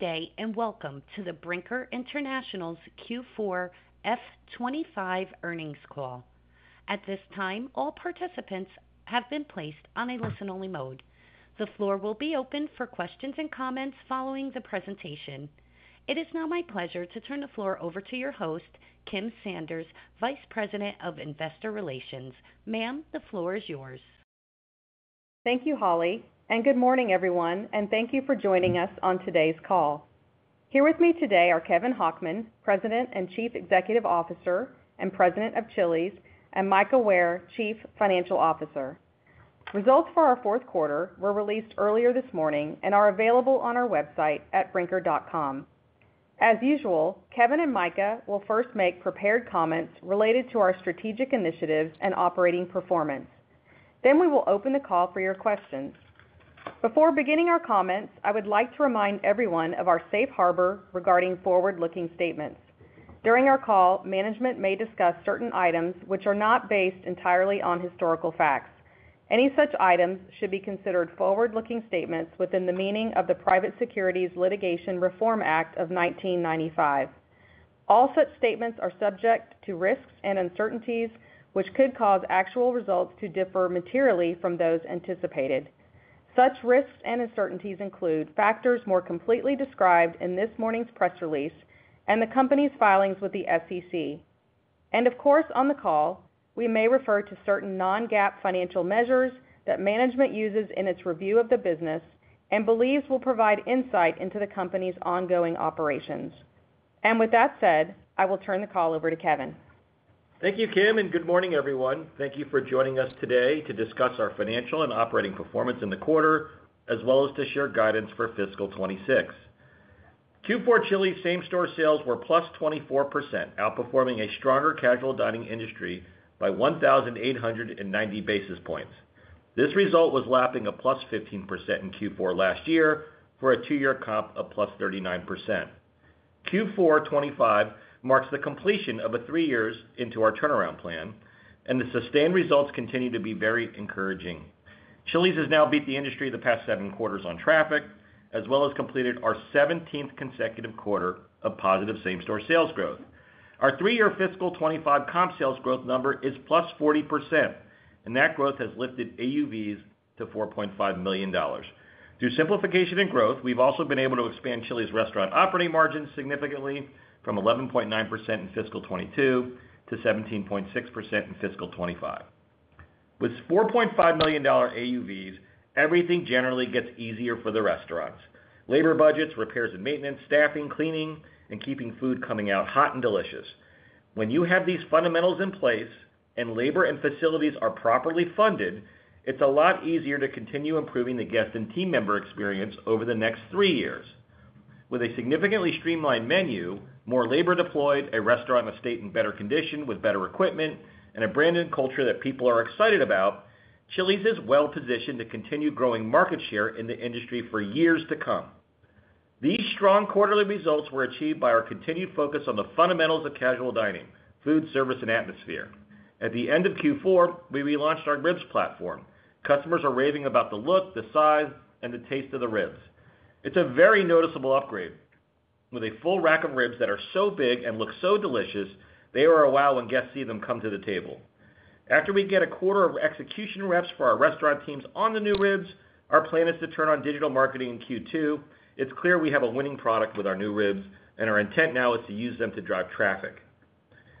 Today, and welcome to Brinker International's Q4 F2025 Earnings Call. At this time, all participants have been placed on a listen-only mode. The floor will be open for questions and comments following the presentation. It is now my pleasure to turn the floor over to your host, Kim Sanders, Vice President of Investor Relations. Ma'am, the floor is yours. Thank you, Holly, and good morning, everyone, and thank you for joining us on today's call. Here with me today are Kevin Hochman, President and Chief Executive Officer and President of Chili's, and Mika Ware, Chief Financial Officer. Results for our fourth quarter were released earlier this morning and are available on our website at brinker.com. As usual, Kevin and Mika will first make prepared comments related to our strategic initiatives and operating performance. We will open the call for your questions. Before beginning our comments, I would like to remind everyone of our safe harbor regarding forward-looking statements. During our call, management may discuss certain items which are not based entirely on historical facts. Any such items should be considered forward-looking statements within the meaning of the Private Securities Litigation Reform Act of 1995. All such statements are subject to risks and uncertainties which could cause actual results to differ materially from those anticipated. Such risks and uncertainties include factors more completely described in this morning's press release and the company's filings with the SEC. On the call, we may refer to certain non-GAAP financial measures that management uses in its review of the business and believes will provide insight into the company's ongoing operations. With that said, I will turn the call over to Kevin. Thank you, Kim, and good morning, everyone. Thank you for joining us today to discuss our financial and operating performance in the quarter, as well as to share guidance for fiscal 2026. Q4 Chili's same-store sales were +24%, outperforming a stronger casual dining industry by 1,890 basis points. This result was lapping a +15% in Q4 last year for a two year comp of +39%. Q4 2025 marks the completion of the three years into our turnaround plan, and the sustained results continue to be very encouraging. Chili's has now beat the industry the past seven quarters on traffic, as well as completed our 17th consecutive quarter of positive same-store sales growth. Our three year fiscal 2025 comp sales growth number is +40%, and that growth has lifted AUVs to $4.5 million. Through simplification and growth, we've also been able to expand Chili's restaurant operating margins significantly from 11.9% in fiscal 2022 to 17.6% in fiscal 2025. With $4.5 million AUVs, everything generally gets easier for the restaurants: labor budgets, repairs and maintenance, staffing, cleaning, and keeping food coming out hot and delicious. When you have these fundamentals in place and labor and facilities are properly funded, it's a lot easier to continue improving the guest and team member experience over the next three years. With a significantly streamlined menu, more labor deployed, a restaurant estate in better condition with better equipment, and a brand and culture that people are excited about, Chili's is well-positioned to continue growing market share in the industry for years to come. These strong quarterly results were achieved by our continued focus on the fundamentals of casual dining: food, service, and atmosphere. At the end of Q4, we relaunched our ribs platform. Customers are raving about the look, the size, and the taste of the ribs. It's a very noticeable upgrade. With a full rack of ribs that are so big and look so delicious, they are a wow when guests see them come to the table. After we get a quarter of execution reps for our restaurant teams on the new ribs, our plan is to turn on digital marketing in Q2. It's clear we have a winning product with our new ribs, and our intent now is to use them to drive traffic.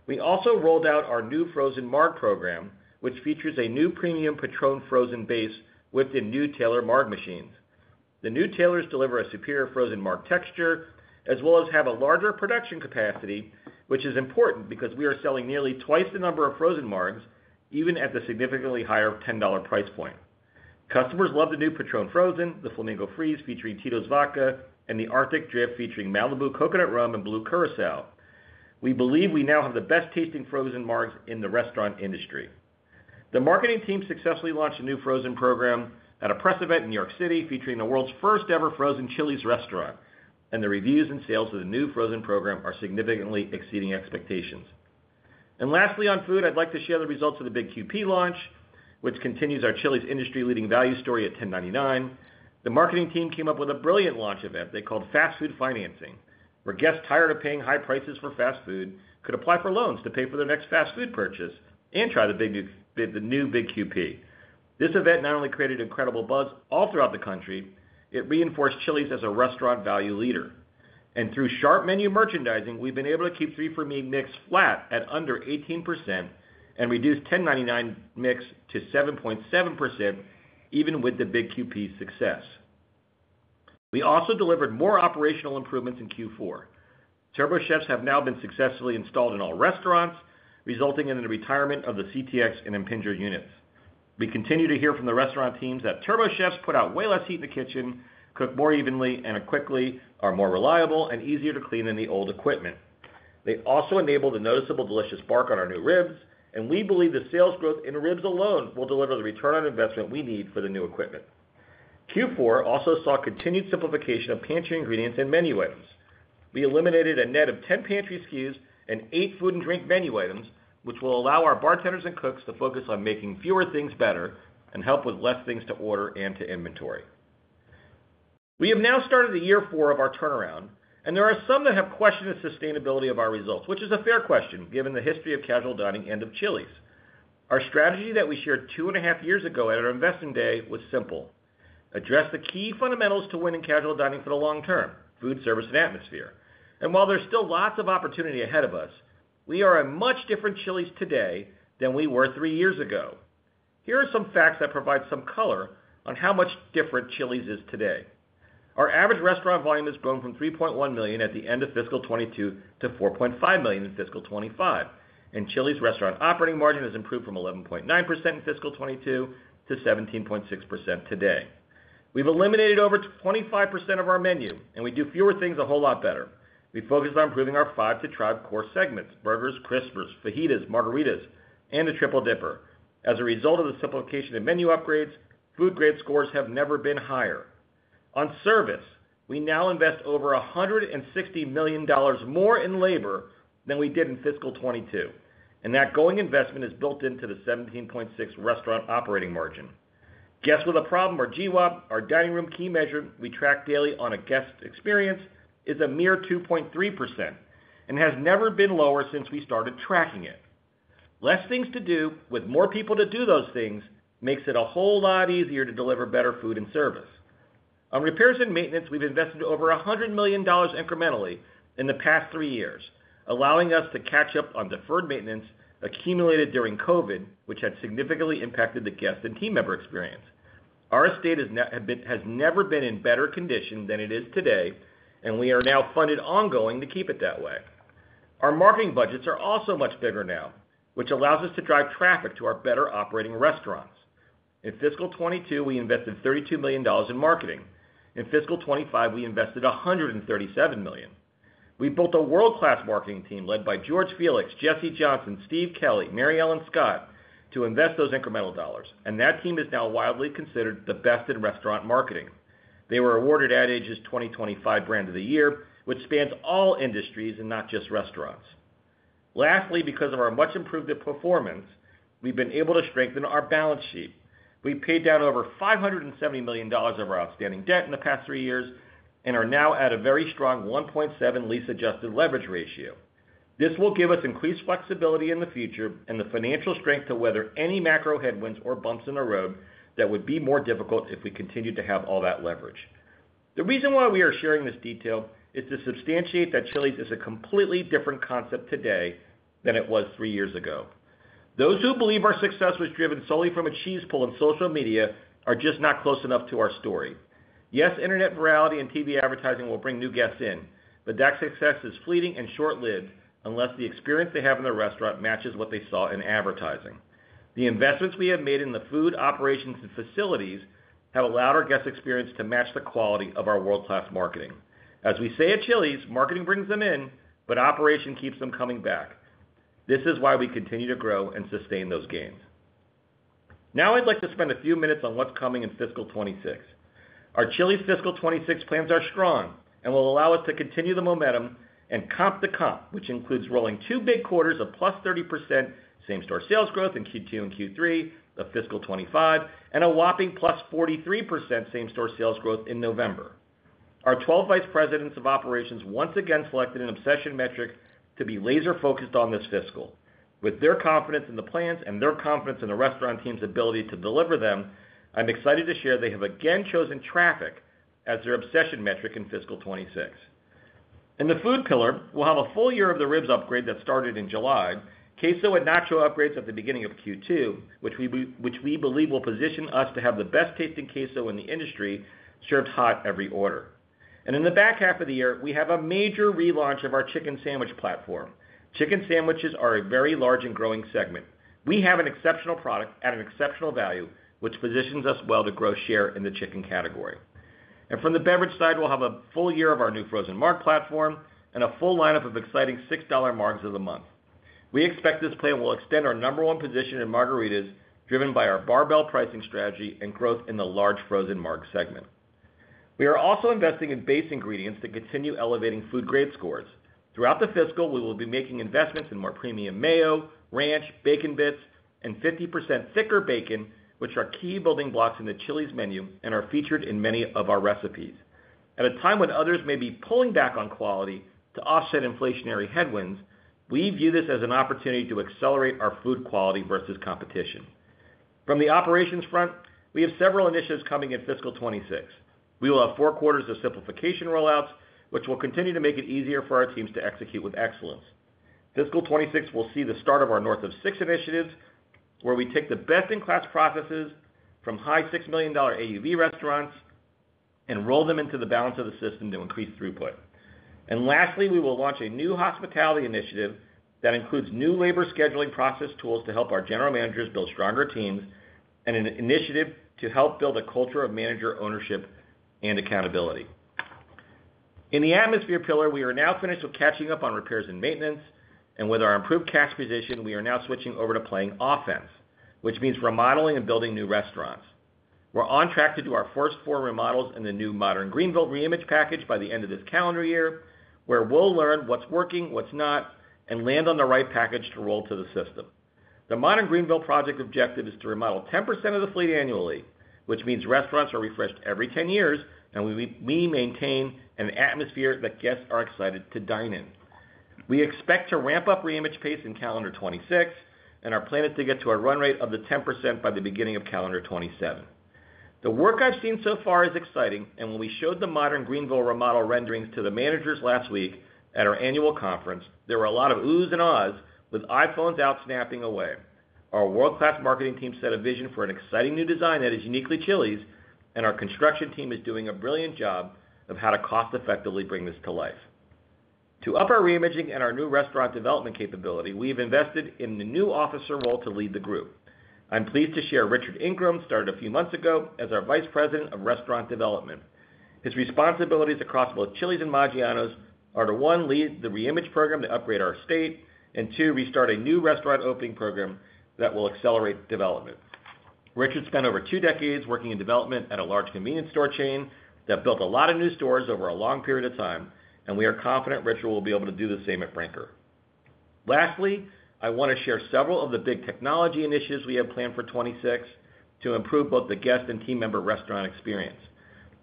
We also rolled out our new Frozen Marg program, which features a new premium PATRÓN Frozen base with the new Taylor Marg machines. The new Taylor machines deliver a superior Frozen Marg texture, as well as have a larger production capacity, which is important because we are selling nearly twice the number of Frozen Margs, even at the significantly higher $10 price point. Customers love the new PATRÓN Frozen, the Flamingo Freeze featuring Tito's Vodka, and the Arctic Drift featuring Malibu Coconut Rum and Blue Curaçao. We believe we now have the best-tasting Frozen margs in the restaurant industry. The marketing team successfully launched a new frozen program at a press event in New York City featuring the world's first-ever frozen Chili's restaurant, and the reviews and sales of the new frozen program are significantly exceeding expectations. On food, I'd like to share the results of the Big QP value offering launch, which continues our Chili's industry-leading value story at $10.99. The marketing team came up with a brilliant launch event they called Fast Food Financing, where guests tired of paying high prices for fast food could apply for loans to pay for their next fast food purchase and try the new Big QP. This event not only created incredible buzz all throughout the country, it reinforced Chili's as a restaurant value leader. Through sharp menu merchandising, we've been able to keep 3 For Me mix flat at under 18% and reduce $10.99 mix to 7.7%, even with the Big QP success. We also delivered more operational improvements in Q4. TurboChef ovens have now been successfully installed in all restaurants, resulting in the retirement of the CTX and Impinger units. We continue to hear from the restaurant teams that TurboChef ovens put out way less heat in the kitchen, cook more evenly and quickly, are more reliable, and easier to clean than the old equipment. They also enabled a noticeable delicious bark on our new ribs, and we believe the sales growth in ribs alone will deliver the return on investment we need for the new equipment. Q4 also saw continued simplification of pantry ingredients and menu items. We eliminated a net of 10 pantry SKUs and eight food and drink menu items, which will allow our bartenders and cooks to focus on making fewer things better and help with less things to order and to inventory. We have now started year four of our turnaround, and there are some that have questioned the sustainability of our results, which is a fair question given the history of casual dining and of Chili's. Our strategy that we shared two and a half years ago at our investing day was simple: address the key fundamentals to winning casual dining for the long term: food, service, and atmosphere. While there's still lots of opportunity ahead of us, we are a much different Chili's today than we were three years ago. Here are some facts that provide some color on how much different Chili's is today. Our average restaurant volume has grown from $3.1 million at the end of fiscal 2022 to $4.5 million in fiscal 2025, and Chili's restaurant operating margin has improved from 11.9% in fiscal 2022 to 17.6% today. We've eliminated over 25% of our menu, and we do fewer things a whole lot better. We focus on improving our Five to Drive core segments: burgers, crispers, fajitas, margaritas, and a Triple Dipper. As a result of the simplification of menu upgrades, food grade scores have never been higher. On service, we now invest over $160 million more in labor than we did in fiscal 2022, and that ongoing investment is built into the 17.6% restaurant operating margin. Guests with a problem or GWAP, our dining room key measure we track daily on a guest experience, is a mere 2.3% and has never been lower since we started tracking it. Less things to do with more people to do those things makes it a whole lot easier to deliver better food and service. On repairs and maintenance, we've invested over $100 million incrementally in the past three years, allowing us to catch up on deferred maintenance accumulated during COVID, which had significantly impacted the guest and team member experience. Our estate has never been in better condition than it is today, and we are now funded ongoing to keep it that way. Our marketing budgets are also much bigger now, which allows us to drive traffic to our better operating restaurants. In fiscal 2022, we invested $32 million in marketing. In fiscal 2025, we invested $137 million. We built a world-class marketing team led by George Felix, Jesse Johnson, Steve Kelly, and Mary Ellen Scott to invest those incremental dollars, and that team is now widely considered the best in restaurant marketing. They were awarded Ad Age's 2025 Brand of the Year, which spans all industries and not just restaurants. Lastly, because of our much-improved performance, we've been able to strengthen our balance sheet. We've paid down over $570 million of our outstanding debt in the past three years and are now at a very strong 1.7 lease-adjusted leverage ratio. This will give us increased flexibility in the future and the financial strength to weather any macro headwinds or bumps in the road that would be more difficult if we continued to have all that leverage. The reason why we are sharing this detail is to substantiate that Chili's is a completely different concept today than it was three years ago. Those who believe our success was driven solely from a cheese pull on social media are just not close enough to our story. Yes, internet virality and TV advertising will bring new guests in, but that success is fleeting and short-lived unless the experience they have in the restaurant matches what they saw in advertising. The investments we have made in the food, operations, and facilities have allowed our guest experience to match the quality of our world-class marketing. As we say at Chili's, marketing brings them in, but operation keeps them coming back. This is why we continue to grow and sustain those gains. Now I'd like to spend a few minutes on what's coming in fiscal 2026. Our Chili's fiscal 2026 plans are strong and will allow us to continue the momentum and comp the comp, which includes rolling two big quarters of +30% same-store sales growth in Q2 and Q3 of fiscal 2025, and a whopping +43% same-store sales growth in November. Our 12 Vice Presidents of Operations once again selected an obsession metric to be laser-focused on this fiscal. With their confidence in the plans and their confidence in the restaurant team's ability to deliver them, I'm excited to share they have again chosen traffic as their obsession metric in fiscal 2026. In the food pillar, we'll have a full year of the ribs upgrade that started in July, queso and nacho upgrades at the beginning of Q2, which we believe will position us to have the best tasting queso in the industry served hot every order. In the back half of the year, we have a major relaunch of our chicken sandwich platform. Chicken sandwiches are a very large and growing segment. We have an exceptional product at an exceptional value, which positions us well to grow share in the chicken category. From the beverage side, we'll have a full year of our new frozen marg platform and a full lineup of exciting $6 margs of the month. We expect this plan will extend our number one position in margaritas, driven by our barbell pricing strategy and growth in the large frozen marg segment. We are also investing in base ingredients to continue elevating food grade scores. Throughout the fiscal, we will be making investments in more premium mayo, ranch, bacon bits, and 50% thicker bacon, which are key building blocks in the Chili's menu and are featured in many of our recipes. At a time when others may be pulling back on quality to offset inflationary headwinds, we view this as an opportunity to accelerate our food quality versus competition. From the operations front, we have several initiatives coming in fiscal 2026. We will have four quarters of simplification rollouts, which will continue to make it easier for our teams to execute with excellence. Fiscal 2026 will see the start of our North of Six initiative, where we take the best-in-class processes from high $6 million AUV restaurants and roll them into the balance of the system to increase throughput. Lastly, we will launch a new hospitality initiative that includes new labor scheduling process tools to help our general managers build stronger teams and an initiative to help build a culture of manager ownership and accountability. In the atmosphere pillar, we are now finished with catching up on repairs and maintenance, and with our improved cash position, we are now switching over to playing offense, which means remodeling and building new restaurants. We are on track to do our first four remodels in the new Modern Greenville reimage package by the end of this calendar year, where we will learn what's working, what's not, and land on the right package to roll to the system. The Modern Greenville project objective is to remodel 10% of the fleet annually, which means restaurants are refreshed every 10 years, and we maintain an atmosphere that guests are excited to dine in. We expect to ramp up reimage pace in calendar 2026, and our plan is to get to a run rate of the 10% by the beginning of calendar 2027. The work I have seen so far is exciting, and when we showed the Modern Greenville remodel renderings to the managers last week at our annual conference, there were a lot of oohs and ahs with iPhones out snapping away. Our world-class marketing team set a vision for an exciting new design that is uniquely Chili's, and our construction team is doing a brilliant job of how to cost-effectively bring this to life. To up our reimaging and our new restaurant development capability, we have invested in the new officer role to lead the group. I am pleased to share Richard Ingram started a few months ago as our Vice President of Restaurant Development. His responsibilities across both Chili's and Maggiano's are to, one, lead the reimage program to upgrade our estate, and, two, restart a new restaurant opening program that will accelerate development. Richard spent over two decades working in development at a large convenience store chain that built a lot of new stores over a long period of time, and we are confident Richard will be able to do the same at Brinker. Lastly, I want to share several of the big technology initiatives we have planned for 2026 to improve both the guest and team member restaurant experience.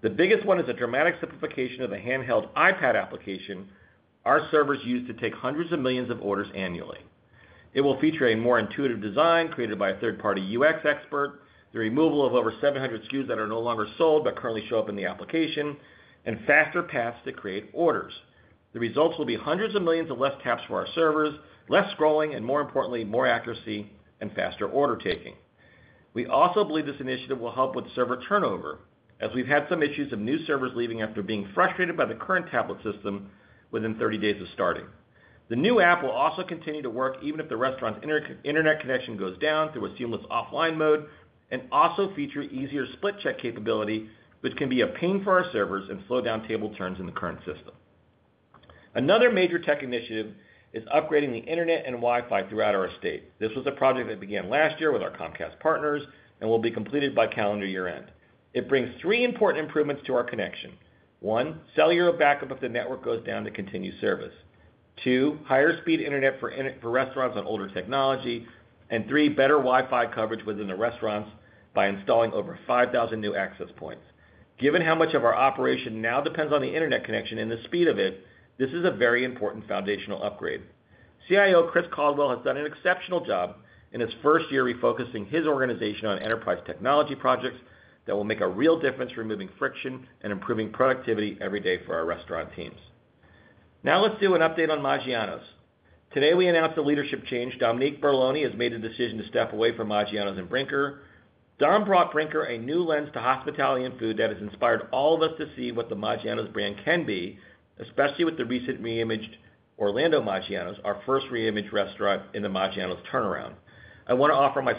The biggest one is a dramatic simplification of the handheld iPad application our servers use to take hundreds of millions of orders annually. It will feature a more intuitive design created by a third-party UX expert, the removal of over 700 SKUs that are no longer sold but currently show up in the application, and faster paths to create orders. The results will be hundreds of millions of less taps for our servers, less scrolling, and, more importantly, more accuracy and faster order taking. We also believe this initiative will help with server turnover, as we've had some issues of new servers leaving after being frustrated by the current tablet system within 30 days of starting. The new app will also continue to work even if the restaurant's internet connection goes down through a seamless offline mode and also feature easier split check capability, which can be a pain for our servers and slow down table turns in the current system. Another major tech initiative is upgrading the internet and Wi-Fi throughout our estate. This was a project that began last year with our Comcast partners and will be completed by calendar year-end. It brings three important improvements to our connection: one, cellular backup if the network goes down to continue service; two, higher speed internet for restaurants on older technology; and three, better Wi-Fi coverage within the restaurants by installing over 5,000 new access points. Given how much of our operation now depends on the internet connection and the speed of it, this is a very important foundational upgrade. CIO Chris Caldwell has done an exceptional job in his first year refocusing his organization on enterprise technology projects that will make a real difference, removing friction and improving productivity every day for our restaurant teams. Now let's do an update on Maggiano's. Today we announced a leadership change. Dominique Barloni has made a decision to step away from Maggiano's in Brinker. Dom brought Brinker a new lens to hospitality and food that has inspired all of us to see what the Maggiano's brand can be, especially with the recent reimaged Orlando Maggiano's, our first reimaged restaurant in the Maggiano's turnaround. I want to offer my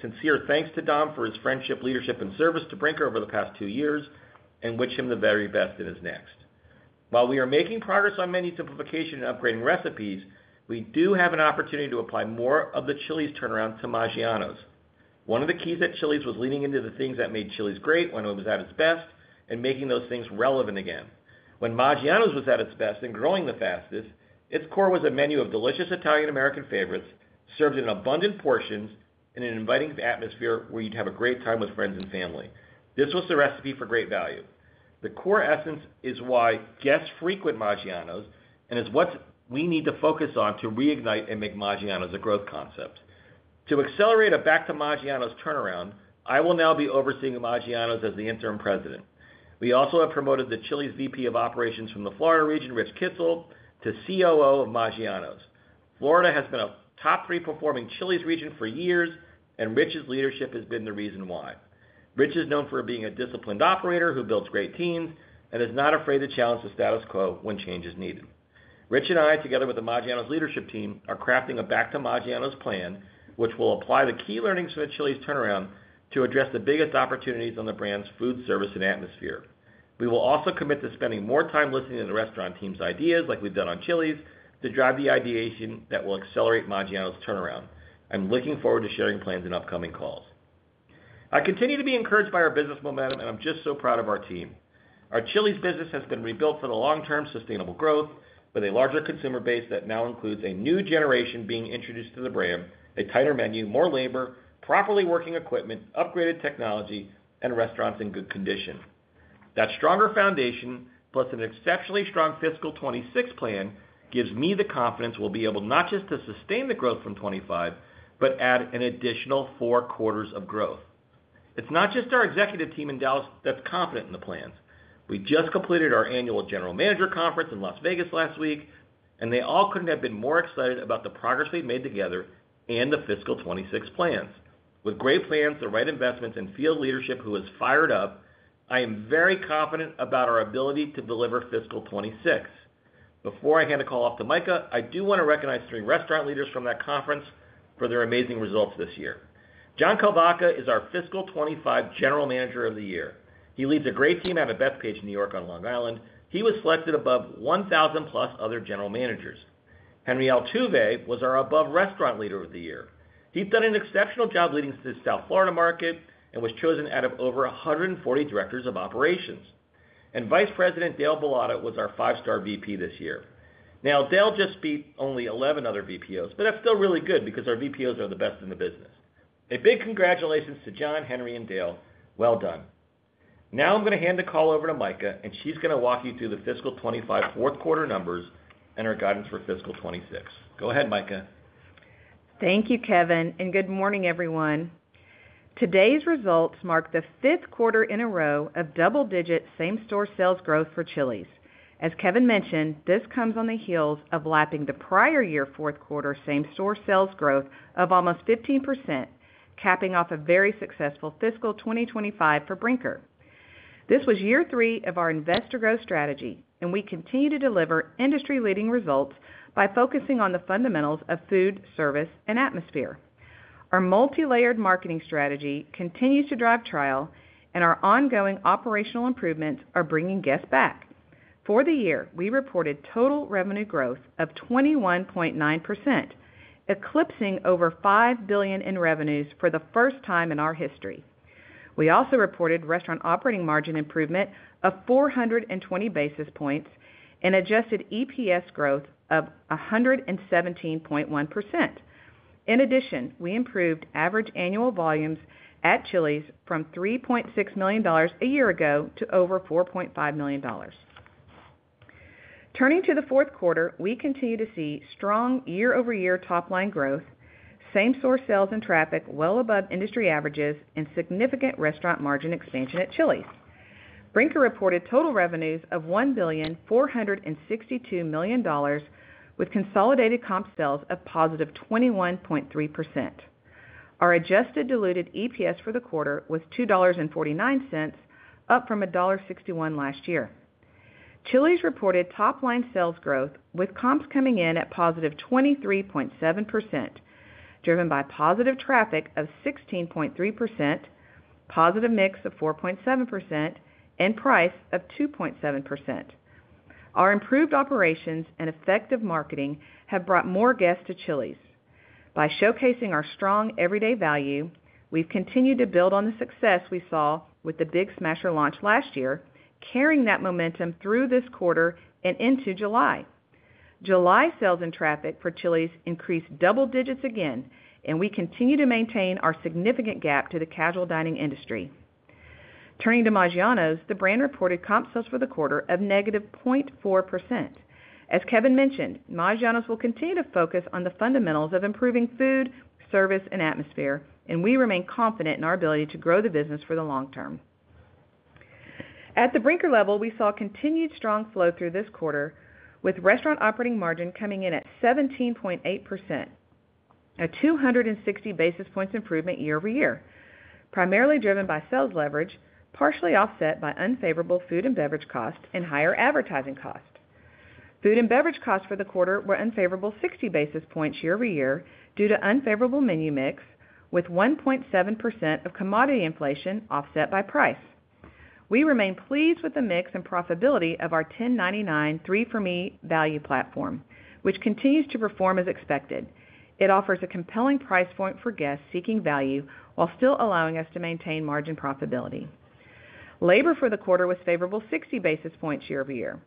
sincere thanks to Dom for his friendship, leadership, and service to Brinker over the past two years and wish him the very best in his next. While we are making progress on menu simplification and upgrading recipes, we do have an opportunity to apply more of the Chili's turnaround to Maggiano's. One of the keys at Chili's was leaning into the things that made Chili's great when it was at its best and making those things relevant again. When Maggiano's was at its best and growing the fastest, its core was a menu of delicious Italian American favorites served in abundant portions in an inviting atmosphere where you'd have a great time with friends and family. This was the recipe for great value. The core essence is why guests frequent Maggiano's and is what we need to focus on to reignite and make Maggiano's a growth concept. To accelerate a back-to-Maggiano's turnaround, I will now be overseeing Maggiano's as the Interim President. We also have promoted the Chili's VP of Operations from the Florida region, Rich Kissel, to COO of Maggiano's. Florida has been a top three-performing Chili's region for years, and Rich's leadership has been the reason why. Rich is known for being a disciplined operator who builds great teams and is not afraid to challenge the status quo when change is needed. Rich and I, together with the Maggiano's leadership team, are crafting a back-to-Maggiano's plan, which will apply the key learnings from the Chili's turnaround to address the biggest opportunities on the brand's food, service, and atmosphere. We will also commit to spending more time listening to the restaurant team's ideas, like we've done on Chili's, to drive the ideation that will accelerate Maggiano's turnaround. I'm looking forward to sharing plans in upcoming calls. I continue to be encouraged by our business momentum, and I'm just so proud of our team. Our Chili's business has been rebuilt for the long-term sustainable growth with a larger consumer base that now includes a new generation being introduced to the brand, a tighter menu, more labor, properly working equipment, upgraded technology, and restaurants in good condition. That stronger foundation, plus an exceptionally strong fiscal 2026 plan, gives me the confidence we'll be able not just to sustain the growth from 2025, but add an additional four quarters of growth. It's not just our executive team in Dallas that's confident in the plans. We just completed our annual general manager conference in Las Vegas last week, and they all couldn't have been more excited about the progress they've made together and the fiscal 2026 plans. With great plans, the right investments, and field leadership who is fired up, I am very confident about our ability to deliver fiscal 2026. Before I hand the call off to Mika, I do want to recognize three restaurant leaders from that conference for their amazing results this year. John Kovacka is our fiscal 2025 General Manager of the Year. He leads a great team out of Bethpage, New York, on Long Island. He was selected above 1,000 plus other general managers. Henri Altuve was our Above Restaurant Leader of the Year. He's done an exceptional job leading the South Florida market and was chosen out of over 140 directors of operations. Vice President Dale Belotta was our five-star VP this year. Dale just beat only 11 other VPOs, but that's still really good because our VPOs are the best in the business. A big congratulations to John, Henri, and Dale. Now I'm going to hand the call over to Mika, and she's going to walk you through the fiscal 2025 fourth quarter numbers and our guidance for fiscal 2026. Go ahead, Mika. Thank you, Kevin, and good morning, everyone. Today's results mark the fifth quarter in a row of double-digit same-store sales growth for Chili's. As Kevin mentioned, this comes on the heels of lapping the prior year fourth quarter same-store sales growth of almost 15%, capping off a very successful fiscal 2025 for Brinker. This was year three of our investor growth strategy, and we continue to deliver industry-leading results by focusing on the fundamentals of food, service, and atmosphere. Our multi-layered marketing strategy continues to drive trial, and our ongoing operational improvements are bringing guests back. For the year, we reported total revenue growth of 21.9%, eclipsing over $5 billion in revenues for the first time in our history. We also reported restaurant operating margin improvement of 420 basis points and adjusted EPS growth of 117.1%. In addition, we improved average annual volumes at Chili's from $3.6 million a year ago to over $4.5 million. Turning to the fourth quarter, we continue to see strong year-over-year top-line growth, same-store sales and traffic well above industry averages, and significant restaurant margin expansion at Chili's. Brinker International reported total revenues of $1,462 million, with consolidated comp sales of positive 21.3%. Our adjusted diluted EPS for the quarter was $2.49, up from $1.61 last year. Chili's reported top-line sales growth, with comps coming in at positive 23.7%, driven by positive traffic of 16.3%, positive mix of 4.7%, and price of 2.7%. Our improved operations and effective marketing have brought more guests to Chili's. By showcasing our strong everyday value, we've continued to build on the success we saw with the Big Smasher launch last year, carrying that momentum through this quarter and into July. July sales and traffic for Chili's increased double digits again, and we continue to maintain our significant gap to the casual dining industry. Turning to Maggiano's, the brand reported comp sales for the quarter of -0.4%. As Kevin mentioned, Maggiano's will continue to focus on the fundamentals of improving food, service, and atmosphere, and we remain confident in our ability to grow the business for the long term. At the Brinker level, we saw continued strong flow through this quarter, with restaurant operating margin coming in at 17.8%, a 260 basis points improvement year over year, primarily driven by sales leverage, partially offset by unfavorable food and beverage cost and higher advertising cost. Food and beverage costs for the quarter were unfavorable 60 basis points year over year due to unfavorable menu mix, with 1.7% of commodity inflation offset by price. We remain pleased with the mix and profitability of our $10.99 3 For Me value platform, which continues to perform as expected. It offers a compelling price point for guests seeking value while still allowing us to maintain margin profitability. Labor for the quarter was favorable 60 basis points year over year.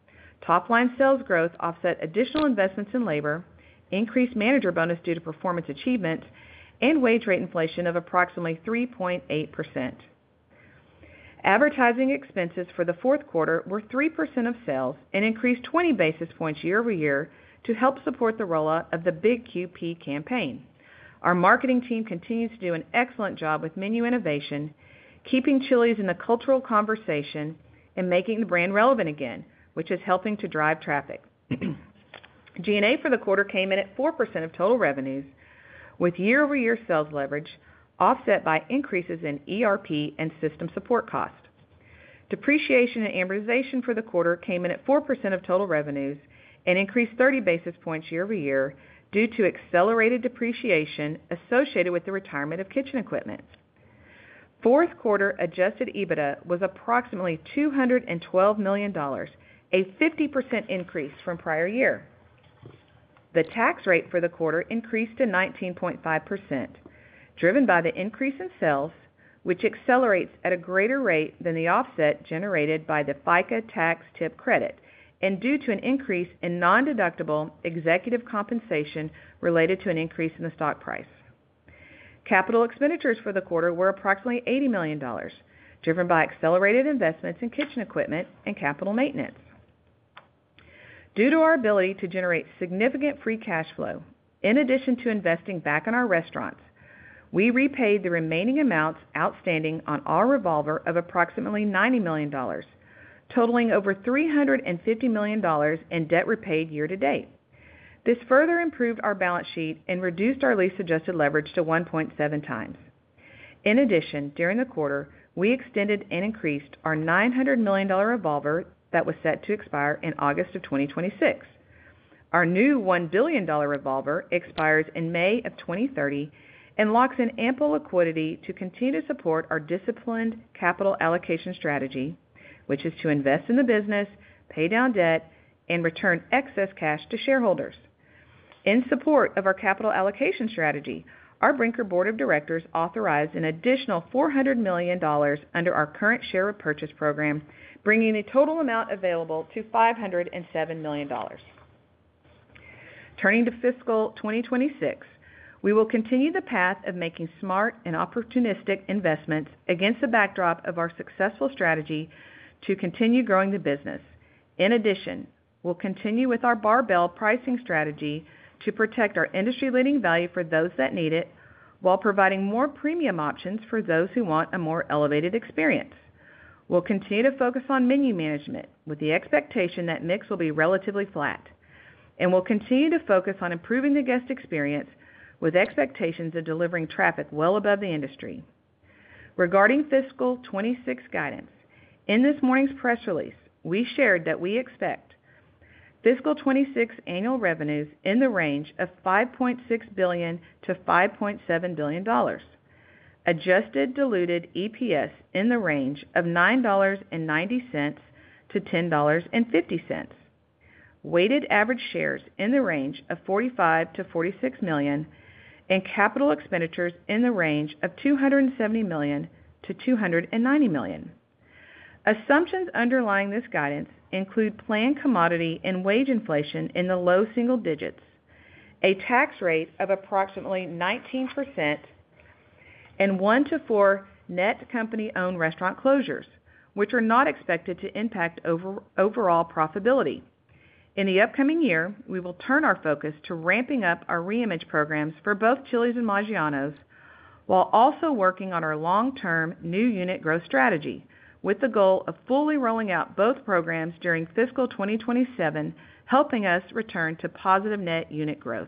Top-line sales growth offset additional investments in labor, increased manager bonus due to performance achievements, and wage rate inflation of approximately 3.8%. Advertising expenses for the fourth quarter were 3% of sales and increased 20 basis points year over year to help support the rollout of the Big QP value offering campaign. Our marketing team continues to do an excellent job with menu innovation, keeping Chili's in the cultural conversation and making the brand relevant again, which is helping to drive traffic. G&A for the quarter came in at 4% of total revenues, with year-over-year sales leverage offset by increases in ERP and system support cost. Depreciation and amortization for the quarter came in at 4% of total revenues and increased 30 basis points year over year due to accelerated depreciation associated with the retirement of kitchen equipment. Fourth quarter adjusted EBITDA was approximately $212 million, a 50% increase from prior year. The tax rate for the quarter increased to 19.5%, driven by the increase in sales, which accelerates at a greater rate than the offset generated by the FICA tax tip credit and due to an increase in non-deductible executive compensation related to an increase in the stock price. Capital expenditures for the quarter were approximately $80 million, driven by accelerated investments in kitchen equipment and capital maintenance. Due to our ability to generate significant free cash flow, in addition to investing back in our restaurants, we repaid the remaining amounts outstanding on our revolver of approximately $90 million, totaling over $350 million in debt repaid year to date. This further improved our balance sheet and reduced our lease-adjusted leverage to 1.7 times. In addition, during the quarter, we extended and increased our $900 million revolver that was set to expire in August of 2026. Our new $1 billion revolver expires in May of 2030 and locks in ample liquidity to continue to support our disciplined capital allocation strategy, which is to invest in the business, pay down debt, and return excess cash to shareholders. In support of our capital allocation strategy, our Brinker board of directors authorized an additional $400 million under our current share repurchase program, bringing the total amount available to $507 million. Turning to fiscal 2026, we will continue the path of making smart and opportunistic investments against the backdrop of our successful strategy to continue growing the business. In addition, we'll continue with our barbell pricing strategy to protect our industry-leading value for those that need it while providing more premium options for those who want a more elevated experience. We'll continue to focus on menu management with the expectation that mix will be relatively flat, and we'll continue to focus on improving the guest experience with expectations of delivering traffic well above the industry. Regarding fiscal 2026 guidance, in this morning's press release, we shared that we expect fiscal 2026 annual revenues in the range of $5.6 billion to $5.7 billion, adjusted diluted EPS in the range of $9.90-$10.50, weighted average shares in the range of 45 million-46 million, and capital expenditures in the range of $270 million to -$290 million. Assumptions underlying this guidance include planned commodity and wage inflation in the low single digits, a tax rate of approximately 19%, and one to four net company-owned restaurant closures, which are not expected to impact overall profitability. In the upcoming year, we will turn our focus to ramping up our reimage programs for both Chili's and Maggiano's while also working on our long-term new unit growth strategy, with the goal of fully rolling out both programs during fiscal 2027, helping us return to positive net unit growth.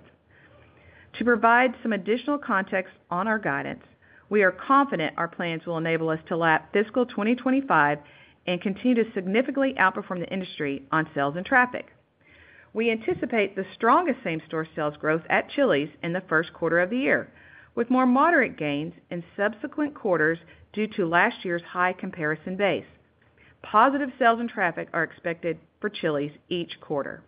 To provide some additional context on our guidance, we are confident our plans will enable us to lap fiscal 2025 and continue to significantly outperform the industry on sales and traffic. We anticipate the strongest same-store sales growth at Chili's in the first quarter of the year, with more moderate gains in subsequent quarters due to last year's high comparison base. Positive sales and traffic are expected for Chili's each quarter.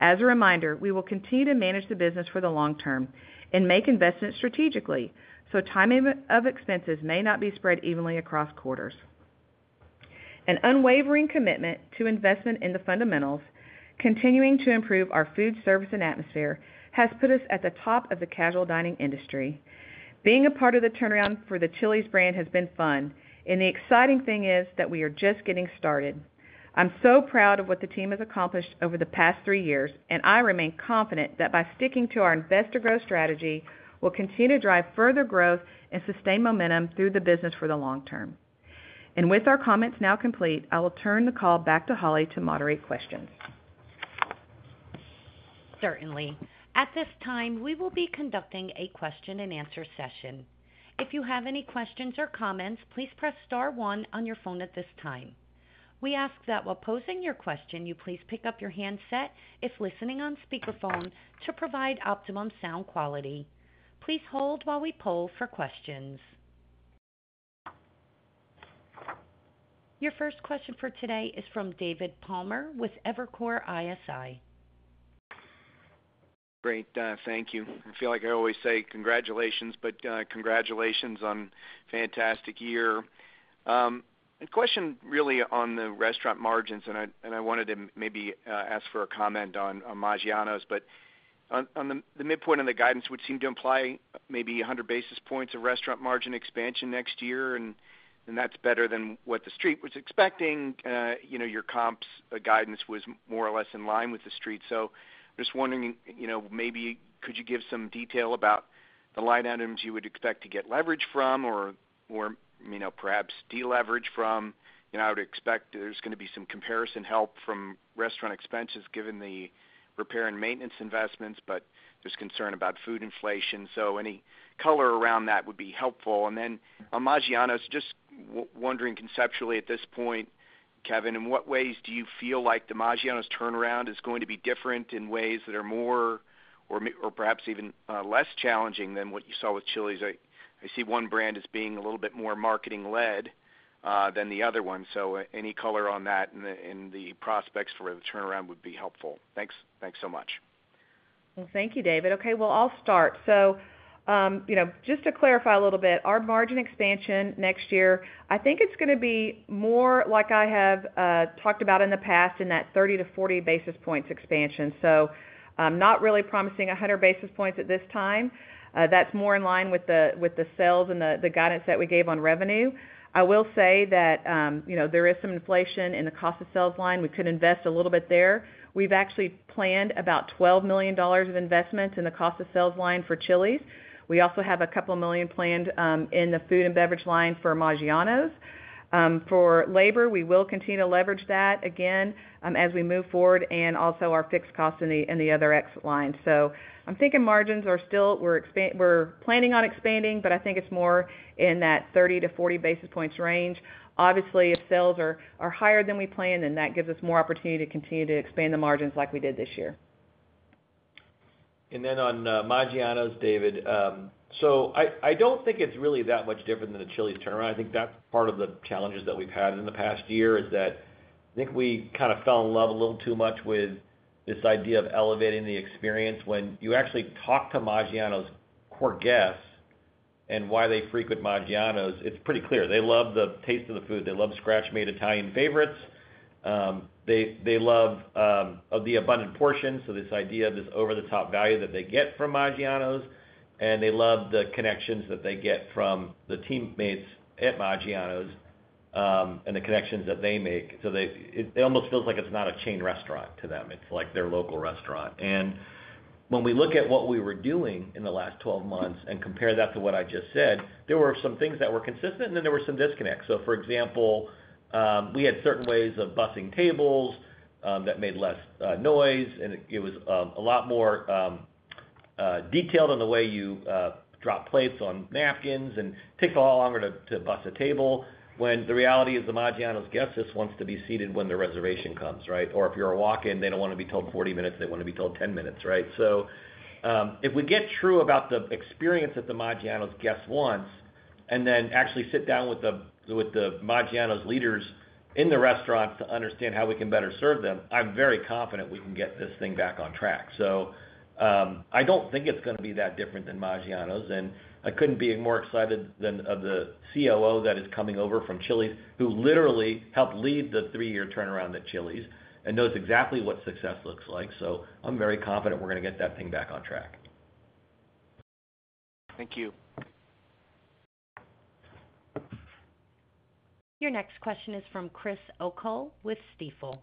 As a reminder, we will continue to manage the business for the long term and make investments strategically, so timing of expenses may not be spread evenly across quarters. An unwavering commitment to investment in the fundamentals, continuing to improve our food, service, and atmosphere has put us at the top of the casual dining industry. Being a part of the turnaround for the Chili's brand has been fun, and the exciting thing is that we are just getting started. I'm so proud of what the team has accomplished over the past three years, and I remain confident that by sticking to our investor growth strategy, we'll continue to drive further growth and sustain momentum through the business for the long term. With our comments now complete, I will turn the call back to Holly to moderate questions. Certainly. At this time, we will be conducting a question and answer session. If you have any questions or comments, please press star one on your phone at this time. We ask that while posing your question, you please pick up your handset if listening on speakerphone to provide optimum sound quality. Please hold while we poll for questions. Your first question for today is from David Palmer with Evercore ISI. Great. Thank you. I feel like I always say congratulations, but congratulations on a fantastic year. A question really on the restaurant margins, and I wanted to maybe ask for a comment on Maggiano's, but on the midpoint on the guidance, which seemed to imply maybe 100 basis points of restaurant margin expansion next year, and that's better than what the Street was expecting. Your comps guidance was more or less in line with the Street. I'm just wondering, maybe could you give some detail about the line items you would expect to get leverage from or, you know, perhaps deleverage from? I would expect there's going to be some comparison help from restaurant expenses given the repair and maintenance investments, but there's concern about food inflation, so any color around that would be helpful. Then on Maggiano's, just wondering conceptually at this point, Kevin, in what ways do you feel like the Maggiano's turnaround is going to be different in ways that are more or perhaps even less challenging than what you saw with Chili's? I see one brand as being a little bit more marketing-led than the other one, so any color on that in the prospects for the turnaround would be helpful. Thanks. Thanks so much. Thank you, David. Okay, I'll start. Just to clarify a little bit, our margin expansion next year, I think it's going to be more like I have talked about in the past in that 30 basis points-40 basis points expansion. Not really promising 100 basis points at this time. That's more in line with the sales and the guidance that we gave on revenue. I will say that there is some inflation in the cost of sales line. We could invest a little bit there. We've actually planned about $12 million of investments in the cost of sales line for Chili's. We also have a couple million planned in the food and beverage line for Maggiano's. For labor, we will continue to leverage that again as we move forward and also our fixed costs in the other exit lines. I'm thinking margins are still, we're planning on expanding, but I think it's more in that 30 basis points-40 basis points range. Obviously, if sales are higher than we planned, then that gives us more opportunity to continue to expand the margins like we did this year. On Maggiano's, David, I don't think it's really that much different than the Chili's turnaround. I think that's part of the challenges that we've had in the past year, that we kind of fell in love a little too much with this idea of elevating the experience. When you actually talk to Maggiano's core guests and why they frequent Maggiano's, it's pretty clear. They love the taste of the food. They love scratch-made Italian favorites. They love the abundant portions, this idea of this over-the-top value that they get from Maggiano's, and they love the connections that they get from the teammates at Maggiano's and the connections that they make. It almost feels like it's not a chain restaurant to them. It's like their local restaurant. When we look at what we were doing in the last 12 months and compare that to what I just said, there were some things that were consistent, and there were some disconnects. For example, we had certain ways of busing tables that made less noise, and it was a lot more detailed in the way you drop plates on napkins, and it takes a lot longer to bus a table when the reality is the Maggiano's guest just wants to be seated when the reservation comes, right? If you're a walk-in, they don't want to be told 40 minutes. They want to be told 10 minutes, right? If we get true about the experience that the Maggiano's guests want and then actually sit down with the Maggiano's leaders in the restaurant to understand how we can better serve them, I'm very confident we can get this thing back on track. I don't think it's going to be that different than Maggiano's, and I couldn't be more excited than the COO that is coming over from Chili's, who literally helped lead the three-year turnaround at Chili's and knows exactly what success looks like. I'm very confident we're going to get that thing back on track. Thank you. Your next question is from Chris O'Cull with Stifel.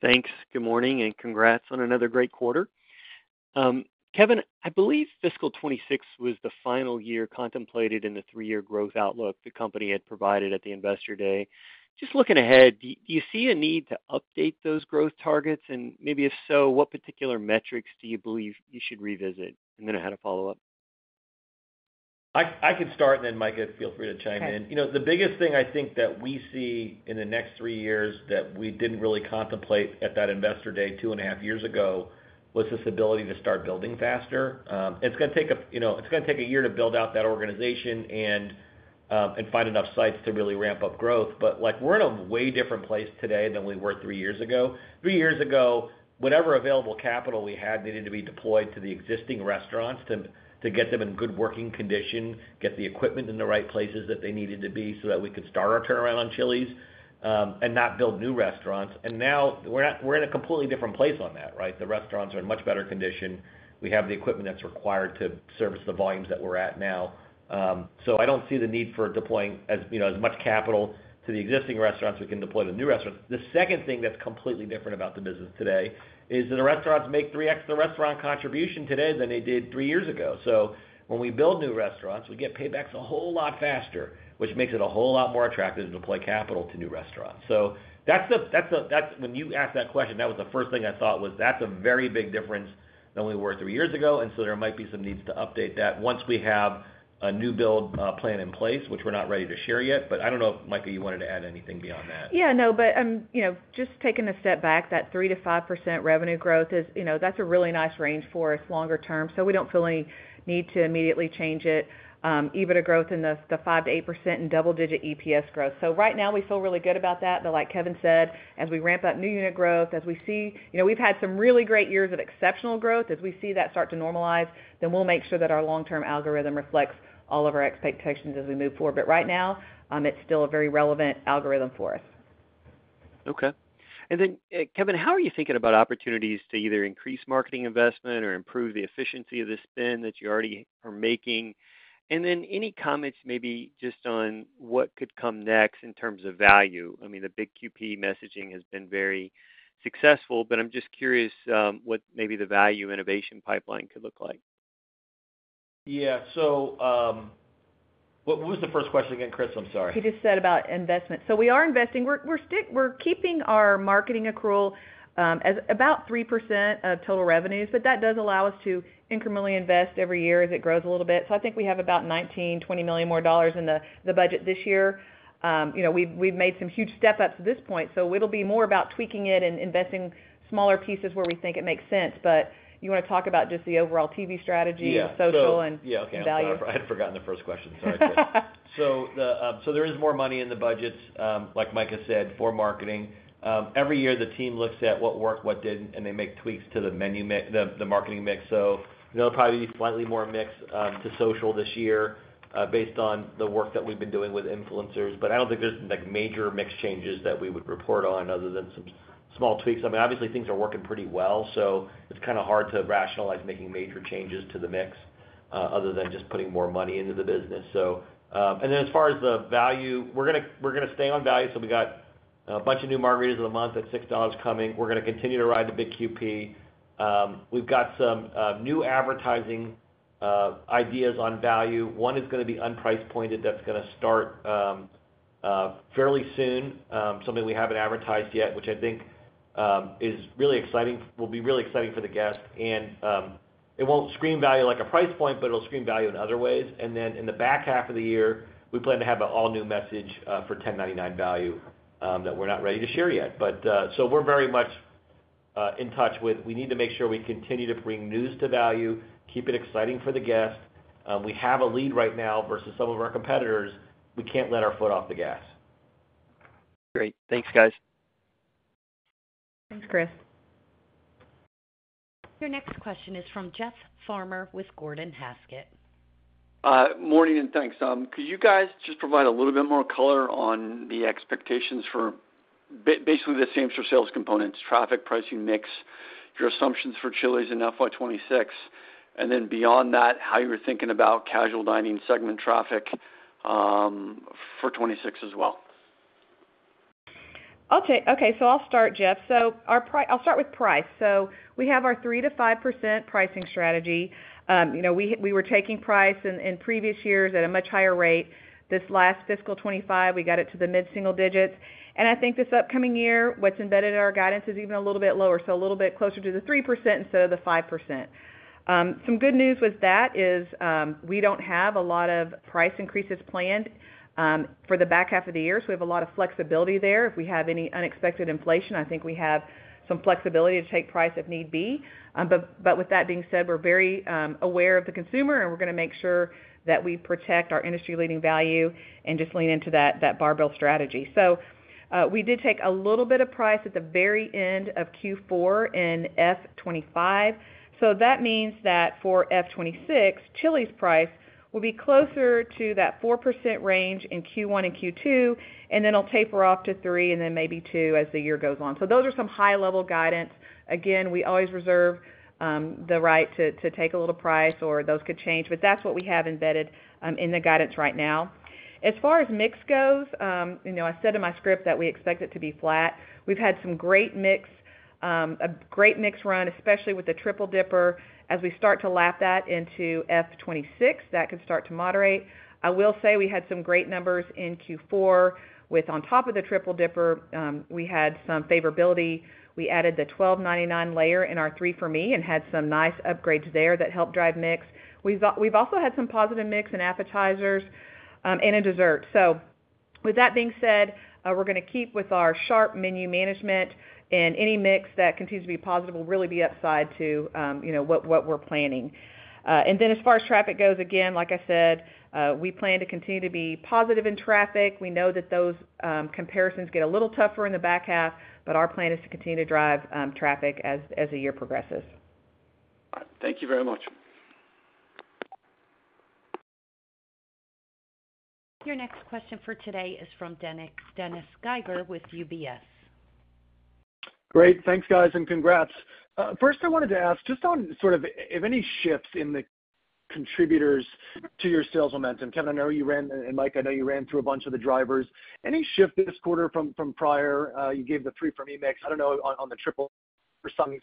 Thanks. Good morning and congrats on another great quarter. Kevin, I believe fiscal 2026 was the final year contemplated in the three-year growth outlook the company had provided at the investor day. Just looking ahead, do you see a need to update those growth targets? Maybe if so, what particular metrics do you believe you should revisit? I had a follow-up. I can start, and then Mika, feel free to chime in. The biggest thing I think that we see in the next three years that we did not really contemplate at that investor day two and a half years ago was this ability to start building faster. It is going to take a year to build out that organization and find enough sites to really ramp up growth. We are in a way different place today than we were three years ago. Three years ago, whatever available capital we had needed to be deployed to the existing restaurants to get them in good working condition, get the equipment in the right places that they needed to be so that we could start our turnaround on Chili's and not build new restaurants. Now we are in a completely different place on that. The restaurants are in much better condition. We have the equipment that is required to service the volumes that we are at now. I do not see the need for deploying as much capital to the existing restaurants; we can deploy to the new restaurants. The second thing that is completely different about the business today is that the restaurants make 3x the restaurant contribution today than they did three years ago. When we build new restaurants, we get paybacks a whole lot faster, which makes it a whole lot more attractive to deploy capital to new restaurants. When you asked that question, that was the first thing I thought was that is a very big difference than we were three years ago. There might be some needs to update that once we have a new build plan in place, which we are not ready to share yet. I do not know if Mika wanted to add anything beyond that. Yeah, just taking a step back, that 3%-5% revenue growth is a really nice range for us longer term. We don't feel any need to immediately change it. Even a growth in the 5%-8% and double-digit EPS growth. Right now we feel really good about that. Like Kevin said, as we ramp up new unit growth, as we see, we've had some really great years of exceptional growth. As we see that start to normalize, we'll make sure that our long-term algorithm reflects all of our expectations as we move forward. Right now, it's still a very relevant algorithm for us. Okay. Kevin, how are you thinking about opportunities to either increase marketing investment or improve the efficiency of the spend that you already are making? Any comments maybe just on what could come next in terms of value? The Big QP messaging has been very successful, but I'm just curious what maybe the value innovation pipeline could look like. Yeah. What was the first question again, Chris? I'm sorry. He just said about investment. We are investing. We're keeping our marketing accrual at about 3% of total revenues, but that does allow us to incrementally invest every year as it grows a little bit. I think we have about $19 million, $20 million more in the budget this year. We've made some huge step-ups at this point. It will be more about tweaking it and investing smaller pieces where we think it makes sense. You want to talk about just the overall TV strategy, social, and value. Yeah, okay. I had forgotten the first question. Sorry. There is more money in the budgets, like Mika has said, for marketing. Every year, the team looks at what worked, what didn't, and they make tweaks to the marketing mix. There will probably be slightly more mix to social this year based on the work that we've been doing with influencers. I don't think there's major mix changes that we would report on other than some small tweaks. Obviously, things are working pretty well. It's kind of hard to rationalize making major changes to the mix other than just putting more money into the business. As far as the value, we're going to stay on value. We got a bunch of new margaritas of the month at $6 coming. We're going to continue to ride the Big QP. We've got some new advertising ideas on value. One is going to be unpriced pointed that's going to start fairly soon, something we haven't advertised yet, which I think is really exciting. It will be really exciting for the guests. It won't scream value like a price point, but it'll scream value in other ways. In the back half of the year, we plan to have an all-new message for $10.99 value that we're not ready to share yet. We're very much in touch with, we need to make sure we continue to bring news to value, keep it exciting for the guest. We have a lead right now versus some of our competitors. We can't let our foot off the gas. Great. Thanks, guys. Thanks, Chris. Your next question is from Jeff Farmer with Gordon Haskett Research Advisors. Morning and thanks. Could you guys just provide a little bit more color on the expectations for basically the same-store sales components, traffic, pricing mix, your assumptions for Chili's and FY2026, and then beyond that, how you're thinking about casual dining segment traffic for 2026 as well? Okay. I'll start, Jeff. I'll start with price. We have our 3%-5% pricing strategy. You know, we were taking price in previous years at a much higher rate. This last fiscal 2025, we got it to the mid-single digits. I think this upcoming year, what's embedded in our guidance is even a little bit lower, so a little bit closer to the 3% instead of the 5%. Some good news with that is we don't have a lot of price increases planned for the back half of the year. We have a lot of flexibility there. If we have any unexpected inflation, I think we have some flexibility to take price if need be. With that being said, we're very aware of the consumer, and we're going to make sure that we protect our industry-leading value and just lean into that barbell strategy. We did take a little bit of price at the very end of Q4 in fiscal 2025. That means that for fiscal 2026, Chili's price will be closer to that 4% range in Q1 and Q2, and then it'll taper off to 3% and then maybe 2% as the year goes on. Those are some high-level guidance. Again, we always reserve the right to take a little price, or those could change, but that's what we have embedded in the guidance right now. As far as mix goes, you know, I said in my script that we expect it to be flat. We've had some great mix, a great mix run, especially with the Triple Dipper. As we start to lap that into fiscal 2026, that could start to moderate. I will say we had some great numbers in Q4 with, on top of the Triple Dipper, we had some favorability. We added the $12.99 layer in our 3 For Me and had some nice upgrades there that helped drive mix. We've also had some positive mix in appetizers and a dessert. With that being said, we're going to keep with our sharp menu management, and any mix that continues to be positive will really be upside to what we're planning. As far as traffic goes, again, like I said, we plan to continue to be positive in traffic. We know that those comparisons get a little tougher in the back half, but our plan is to continue to drive traffic as the year progresses. Thank you very much. Your next question for today is from Dennis Geiger with UBS. Great. Thanks, guys, and congrats. First, I wanted to ask just on sort of if any shifts in the contributors to your sales momentum. Kevin, I know you ran, and Mika, I know you ran through a bunch of the drivers. Any shift this quarter from prior? You gave the 3 For Me mix. I don't know on the Triple or some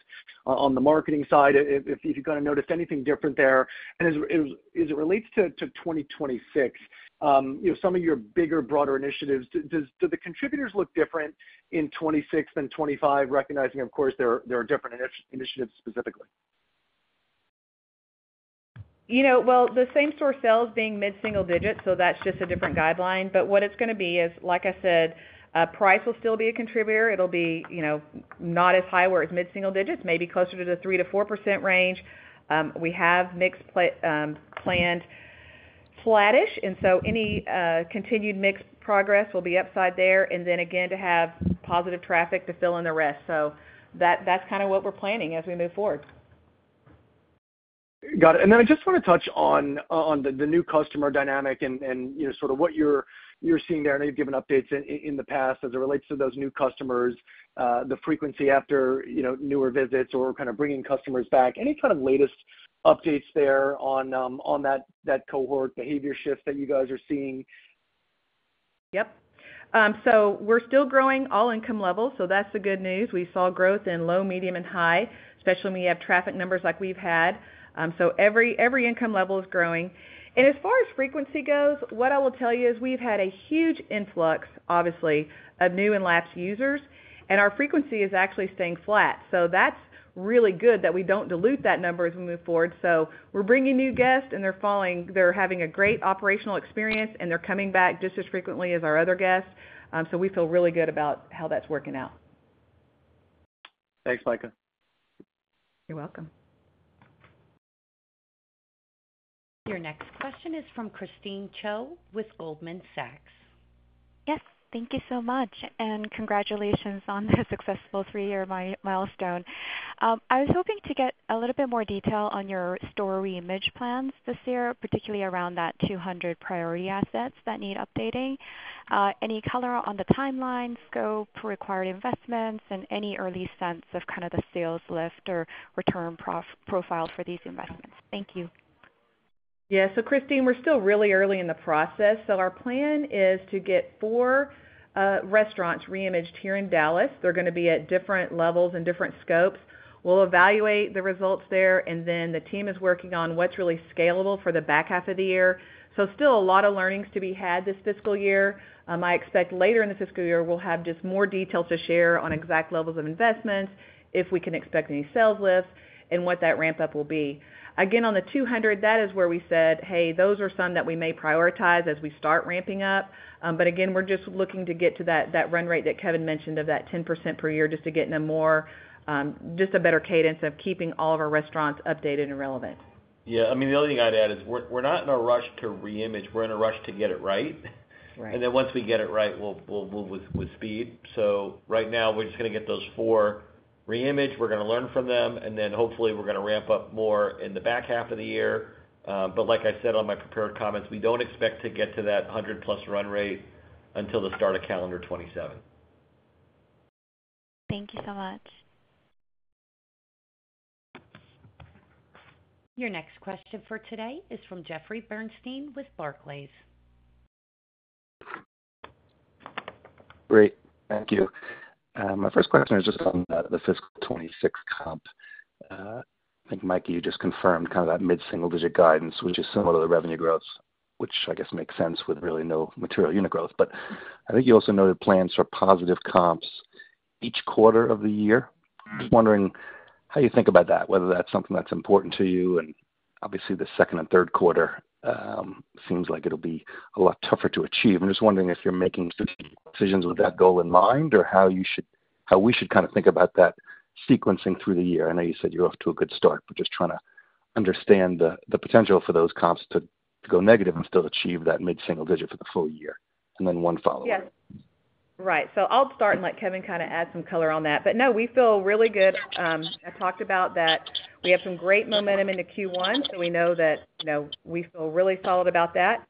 on the marketing side, if you kind of noticed anything different there. As it relates to 2026, you know, some of your bigger, broader initiatives, do the contributors look different in 2026 than 2025, recognizing, of course, there are different initiatives specifically? The same-store sales being mid-single digits, that's just a different guideline. What it's going to be is, like I said, price will still be a contributor. It'll be, you know, not as high where it's mid-single digits, maybe closer to the 3%-4% range. We have mix planned flattish, and any continued mix progress will be upside there. Again, to have positive traffic to fill in the rest. That's kind of what we're planning as we move forward. Got it. I just want to touch on the new customer dynamic and, you know, sort of what you're seeing there. I know you've given updates in the past as it relates to those new customers, the frequency after, you know, newer visits or kind of bringing customers back. Any kind of latest updates there on that cohort behavior shift that you guys are seeing? Yep. We're still growing all income levels, so that's the good news. We saw growth in low, medium, and high, especially when you have traffic numbers like we've had. Every income level is growing. As far as frequency goes, what I will tell you is we've had a huge influx, obviously, of new and lapsed users, and our frequency is actually staying flat. That's really good that we don't dilute that number as we move forward. We're bringing new guests, they're having a great operational experience, and they're coming back just as frequently as our other guests. We feel really good about how that's working out. Thanks, Mika. You're welcome. Your next question is from Christine Cho with Goldman Sachs. Yes, thank you so much, and congratulations on the successful three-year milestone. I was hoping to get a little bit more detail on your store reimage plans this year, particularly around that 200 priority assets that need updating. Any color on the timeline, scope, required investments, and any early sense of kind of the sales lift or return profile for these investments? Thank you. Yeah, Christine, we're still really early in the process. Our plan is to get four restaurants reimaged here in Dallas. They're going to be at different levels and different scopes. We'll evaluate the results there, and the team is working on what's really scalable for the back half of the year. There are still a lot of learnings to be had this fiscal year. I expect later in the fiscal year, we'll have just more detail to share on exact levels of investments, if we can expect any sales lifts, and what that ramp-up will be. On the 200, that is where we said, hey, those are some that we may prioritize as we start ramping up. We're just looking to get to that run rate that Kevin mentioned of that 10% per year, just to get in a better cadence of keeping all of our restaurants updated and relevant. Yeah, I mean, the only thing I'd add is we're not in a rush to reimage. We're in a rush to get it right. Once we get it right, we'll move with speed. Right now, we're just going to get those four reimaged. We're going to learn from them, and hopefully, we're going to ramp up more in the back half of the year. Like I said on my prepared comments, we don't expect to get to that 100+ run rate until the start of calendar 2027. Thank you so much. Your next question for today is from Jeffrey Bernstein with Barclays. Great. Thank you. My first question is just on the fiscal 2026 comp. I think, Mika, you just confirmed kind of that mid-single-digit guidance, which is similar to the revenue growth, which I guess makes sense with really no material unit growth. I think you also noted plans for positive comps each quarter of the year. Just wondering how you think about that, whether that's something that's important to you. Obviously, the second and third quarter seems like it'll be a lot tougher to achieve. I'm just wondering if you're making specific decisions with that goal in mind or how we should kind of think about that sequencing through the year. I know you said you're off to a good start, just trying to understand the potential for those comps to go negative and still achieve that mid-single-digit for the full year. Then one follow-up. Yes, right. I'll start and let Kevin kind of add some color on that. We feel really good. I talked about that we have some great momentum into Q1, so we know that we feel really solid about that.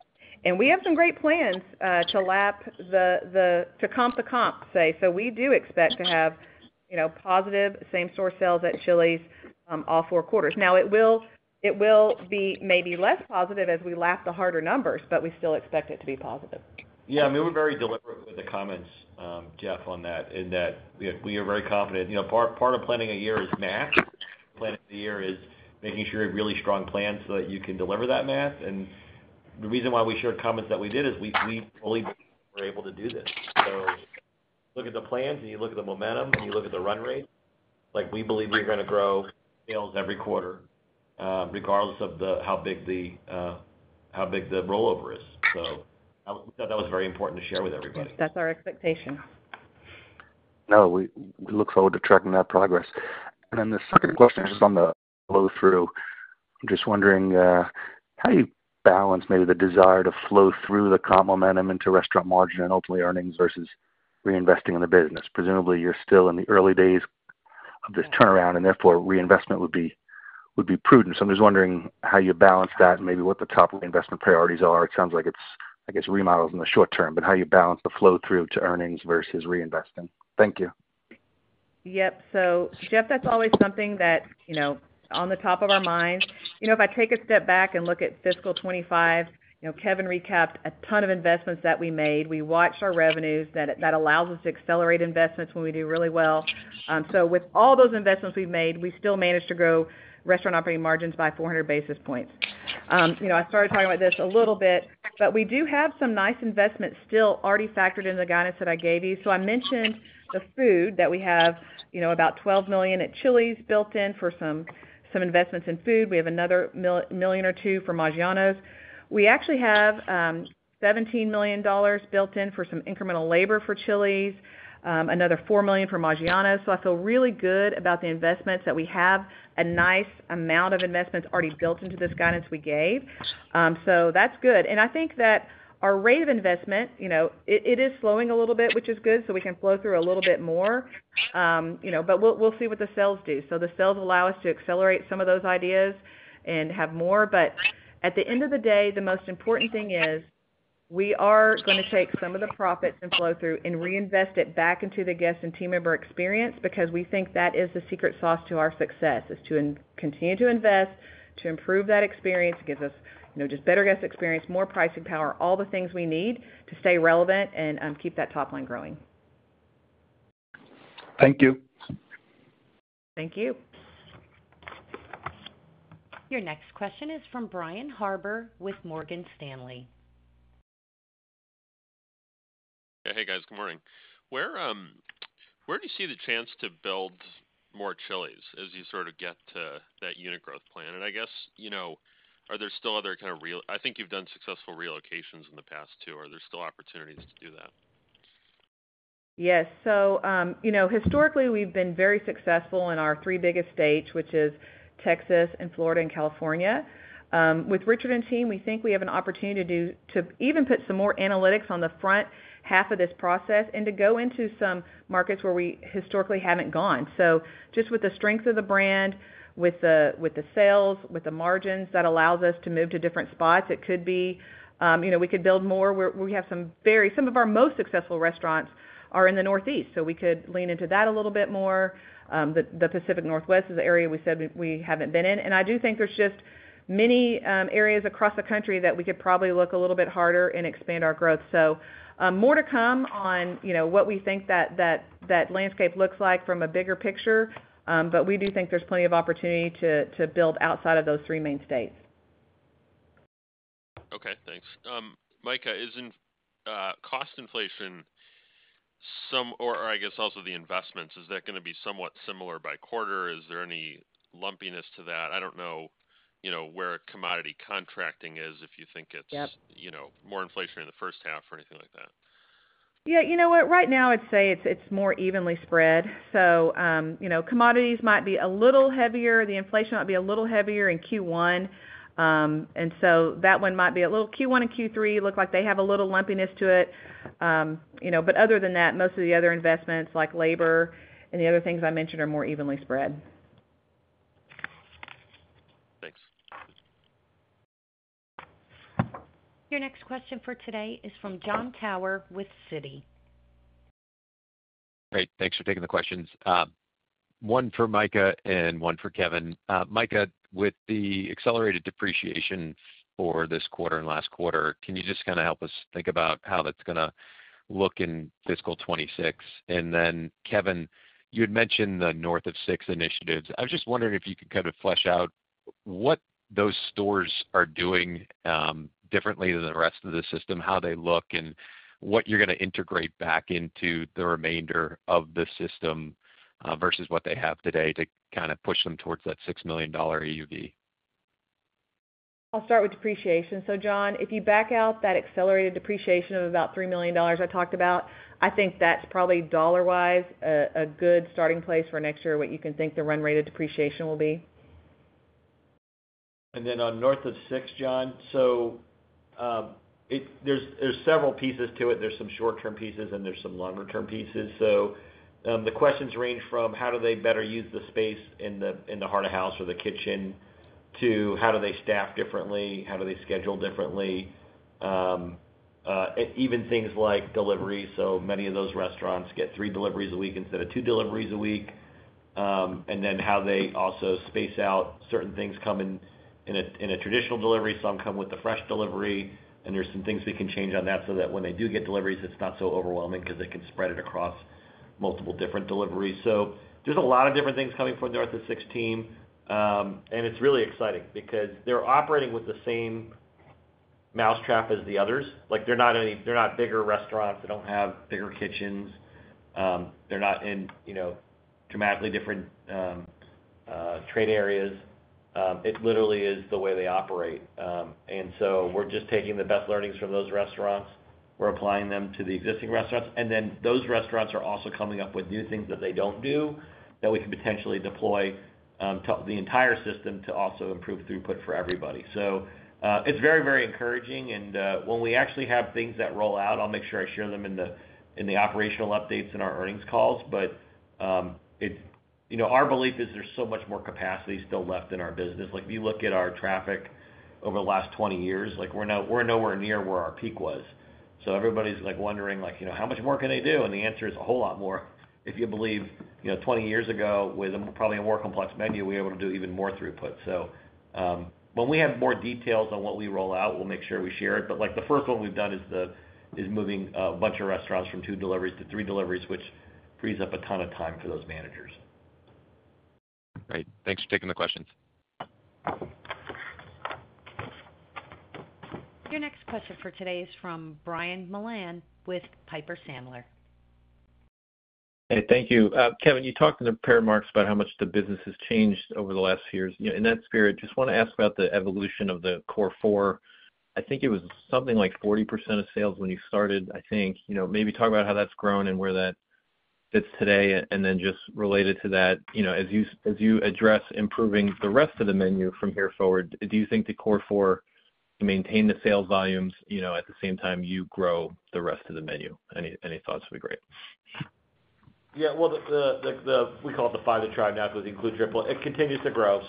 We have some great plans to lap the comp, to comp the comp, say. We do expect to have positive same-store sales at Chili's all four quarters. It will be maybe less positive as we lap the harder numbers, but we still expect it to be positive. Yeah, I mean, we're very deliberate with the comments, Jeff, on that, in that we are very confident. Part of planning a year is math. Planning a year is making sure you have really strong plans so that you can deliver that math. The reason why we shared comments that we did is we fully were able to do this. Look at the plans, and you look at the momentum, and you look at the run rate. We believe we are going to grow sales every quarter, regardless of how big the rollover is. We thought that was very important to share with everybody. That's our expectation. No, we look forward to tracking that progress. The second question is just on the flow-through. I'm just wondering how you balance maybe the desire to flow through the comp momentum into restaurant margin and ultimately earnings versus reinvesting in the business. Presumably, you're still in the early days of this turnaround, and therefore, reinvestment would be prudent. I'm just wondering how you balance that and maybe what the top reinvestment priorities are. It sounds like it's, I guess, remodels in the short term, but how you balance the flow-through to earnings versus reinvesting. Thank you. Yep. So Jeff, that's always something that, you know, on the top of our minds. If I take a step back and look at fiscal 2025, you know, Kevin recapped a ton of investments that we made. We watch our revenues. That allows us to accelerate investments when we do really well. With all those investments we've made, we still managed to grow restaurant operating margins by 400 basis points. I started talking about this a little bit, but we do have some nice investments still already factored in the guidance that I gave you. I mentioned the food that we have, you know, about $12 million at Chili's built in for some investments in food. We have another $1 million or $2 million for Maggiano's. We actually have $17 million built in for some incremental labor for Chili's, another $4 million for Maggiano's. I feel really good about the investments that we have, a nice amount of investments already built into this guidance we gave. That's good. I think that our rate of investment, you know, it is slowing a little bit, which is good, so we can flow through a little bit more. We'll see what the sales do. The sales allow us to accelerate some of those ideas and have more. At the end of the day, the most important thing is we are going to take some of the profits and flow through and reinvest it back into the guest and team member experience because we think that is the secret sauce to our success, is to continue to invest, to improve that experience. It gives us, you know, just better guest experience, more pricing power, all the things we need to stay relevant and keep that top line growing. Thank you. Thank you. Your next question is from Brian Harbour with Morgan Stanley. Hey, guys. Good morning. Where do you see the chance to build more Chili's as you sort of get to that unit growth plan? I guess, you know, are there still other kind of real, I think you've done successful relocations in the past too. Are there still opportunities to do that? Yes. Historically, we've been very successful in our three biggest states, which is Texas and Florida and California. With Richard and team, we think we have an opportunity to even put some more analytics on the front half of this process and to go into some markets where we historically haven't gone. Just with the strength of the brand, with the sales, with the margins that allow us to move to different spots, it could be, you know, we could build more. We have some very, some of our most successful restaurants are in the Northeast, so we could lean into that a little bit more. The Pacific Northwest is the area we said we haven't been in. I do think there's just many areas across the country that we could probably look a little bit harder and expand our growth. More to come on, you know, what we think that that landscape looks like from a bigger picture. We do think there's plenty of opportunity to build outside of those three main states. Okay, thanks. Mika, isn't cost inflation some, or I guess also the investments, is that going to be somewhat similar by quarter? Is there any lumpiness to that? I don't know, you know, where a commodity contracting is, if you think it's, you know, more inflationary in the first half or anything like that. Right now I'd say it's more evenly spread. Commodities might be a little heavier. The inflation might be a little heavier in Q1, and Q1 and Q3 look like they have a little lumpiness to it. Other than that, most of the other investments like labor and the other things I mentioned are more evenly spread. Your next question for today is from Jon Tower with Citi. Great. Thanks for taking the questions. One for Mika and one for Kevin. Mika, with the accelerated depreciation for this quarter and last quarter, can you just kind of help us think about how that's going to look in fiscal 2026? Kevin, you had mentioned the North of Six initiatives. I was just wondering if you could kind of flesh out what those stores are doing differently than the rest of the system, how they look, and what you're going to integrate back into the remainder of the system versus what they have today to kind of push them towards that $6 million AUV. I'll start with depreciation. Jon, if you back out that accelerated depreciation of about $3 million I talked about, I think that's probably dollar-wise a good starting place for next year what you can think the run rate of depreciation will be. On North of Six, Jon, there are several pieces to it. There are some short-term pieces and some longer-term pieces. The questions range from how do they better use the space in the heart of house or the kitchen to how do they staff differently, how do they schedule differently, even things like delivery. Many of those restaurants get three deliveries a week instead of two deliveries a week. They also space out certain things coming in a traditional delivery. Some come with the fresh delivery. There are some things we can change on that so that when they do get deliveries, it's not so overwhelming because they can spread it across multiple different deliveries. There are a lot of different things coming from the North of Six team. It's really exciting because they're operating with the same mousetrap as the others. They're not bigger restaurants. They don't have bigger kitchens. They're not in dramatically different trade areas. It literally is the way they operate. We're just taking the best learnings from those restaurants and applying them to the existing restaurants. Those restaurants are also coming up with new things that they don't do that we can potentially deploy to the entire system to also improve throughput for everybody. It's very, very encouraging. When we actually have things that roll out, I'll make sure I share them in the operational updates and our earnings calls. Our belief is there's so much more capacity still left in our business. You look at our traffic over the last 20 years, we're nowhere near where our peak was. Everybody's wondering how much more can they do, and the answer is a whole lot more. If you believe 20 years ago with probably a more complex menu, we were able to do even more throughput. When we have more details on what we roll out, we'll make sure we share it. The first one we've done is moving a bunch of restaurants from two deliveries to three deliveries, which frees up a ton of time for those managers. Great. Thanks for taking the questions. Your next question for today is from Brian Mullan with Piper Sandler. Hey, thank you. Kevin, you talked in a pair of remarks about how much the business has changed over the last few years. In that spirit, I just want to ask about the evolution of the core four. I think it was something like 40% of sales when you started, I think. Maybe talk about how that's grown and where that fits today. Then just related to that, as you address improving the rest of the menu from here forward, do you think the core four can maintain the sales volumes at the same time you grow the rest of the menu? Any thoughts would be great. Yeah, we call it the Five to Drive, which includes Triple. It continues to grow.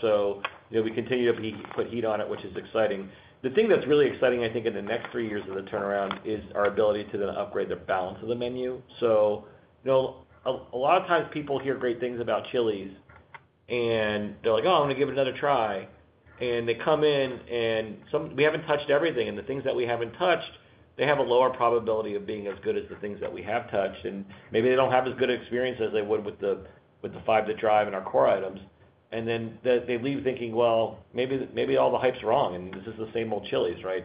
You know, we continue to put heat on it, which is exciting. The thing that's really exciting, I think, in the next three years of the turnaround is our ability to then upgrade the balance of the menu. A lot of times people hear great things about Chili's, and they're like, oh, I'm going to give it another try. They come in and we haven't touched everything. The things that we haven't touched have a lower probability of being as good as the things that we have touched. Maybe they don't have as good an experience as they would with the Five to Drive and our core items. They leave thinking, maybe all the hype's wrong and this is the same old Chili's, right?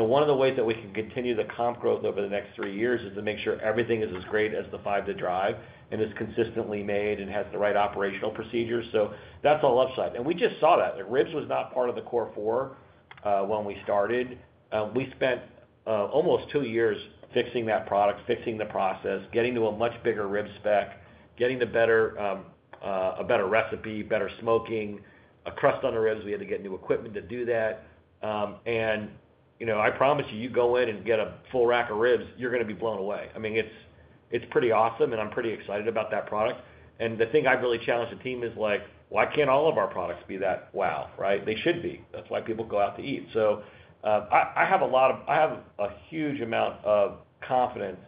One of the ways that we can continue the comp growth over the next three years is to make sure everything is as great as the Five to Drive and is consistently made and has the right operational procedures. That's all upside. We just saw that ribs was not part of the core four when we started. We spent almost two years fixing that product, fixing the process, getting to a much bigger rib spec, getting a better recipe, better smoking, a crust on the ribs. We had to get new equipment to do that. I promise you, you go in and get a full rack of ribs, you're going to be blown away. It's pretty awesome, and I'm pretty excited about that product. The thing I've really challenged the team is, why can't all of our products be that wow, right? They should be. That's why people go out to eat. I have a huge amount of confidence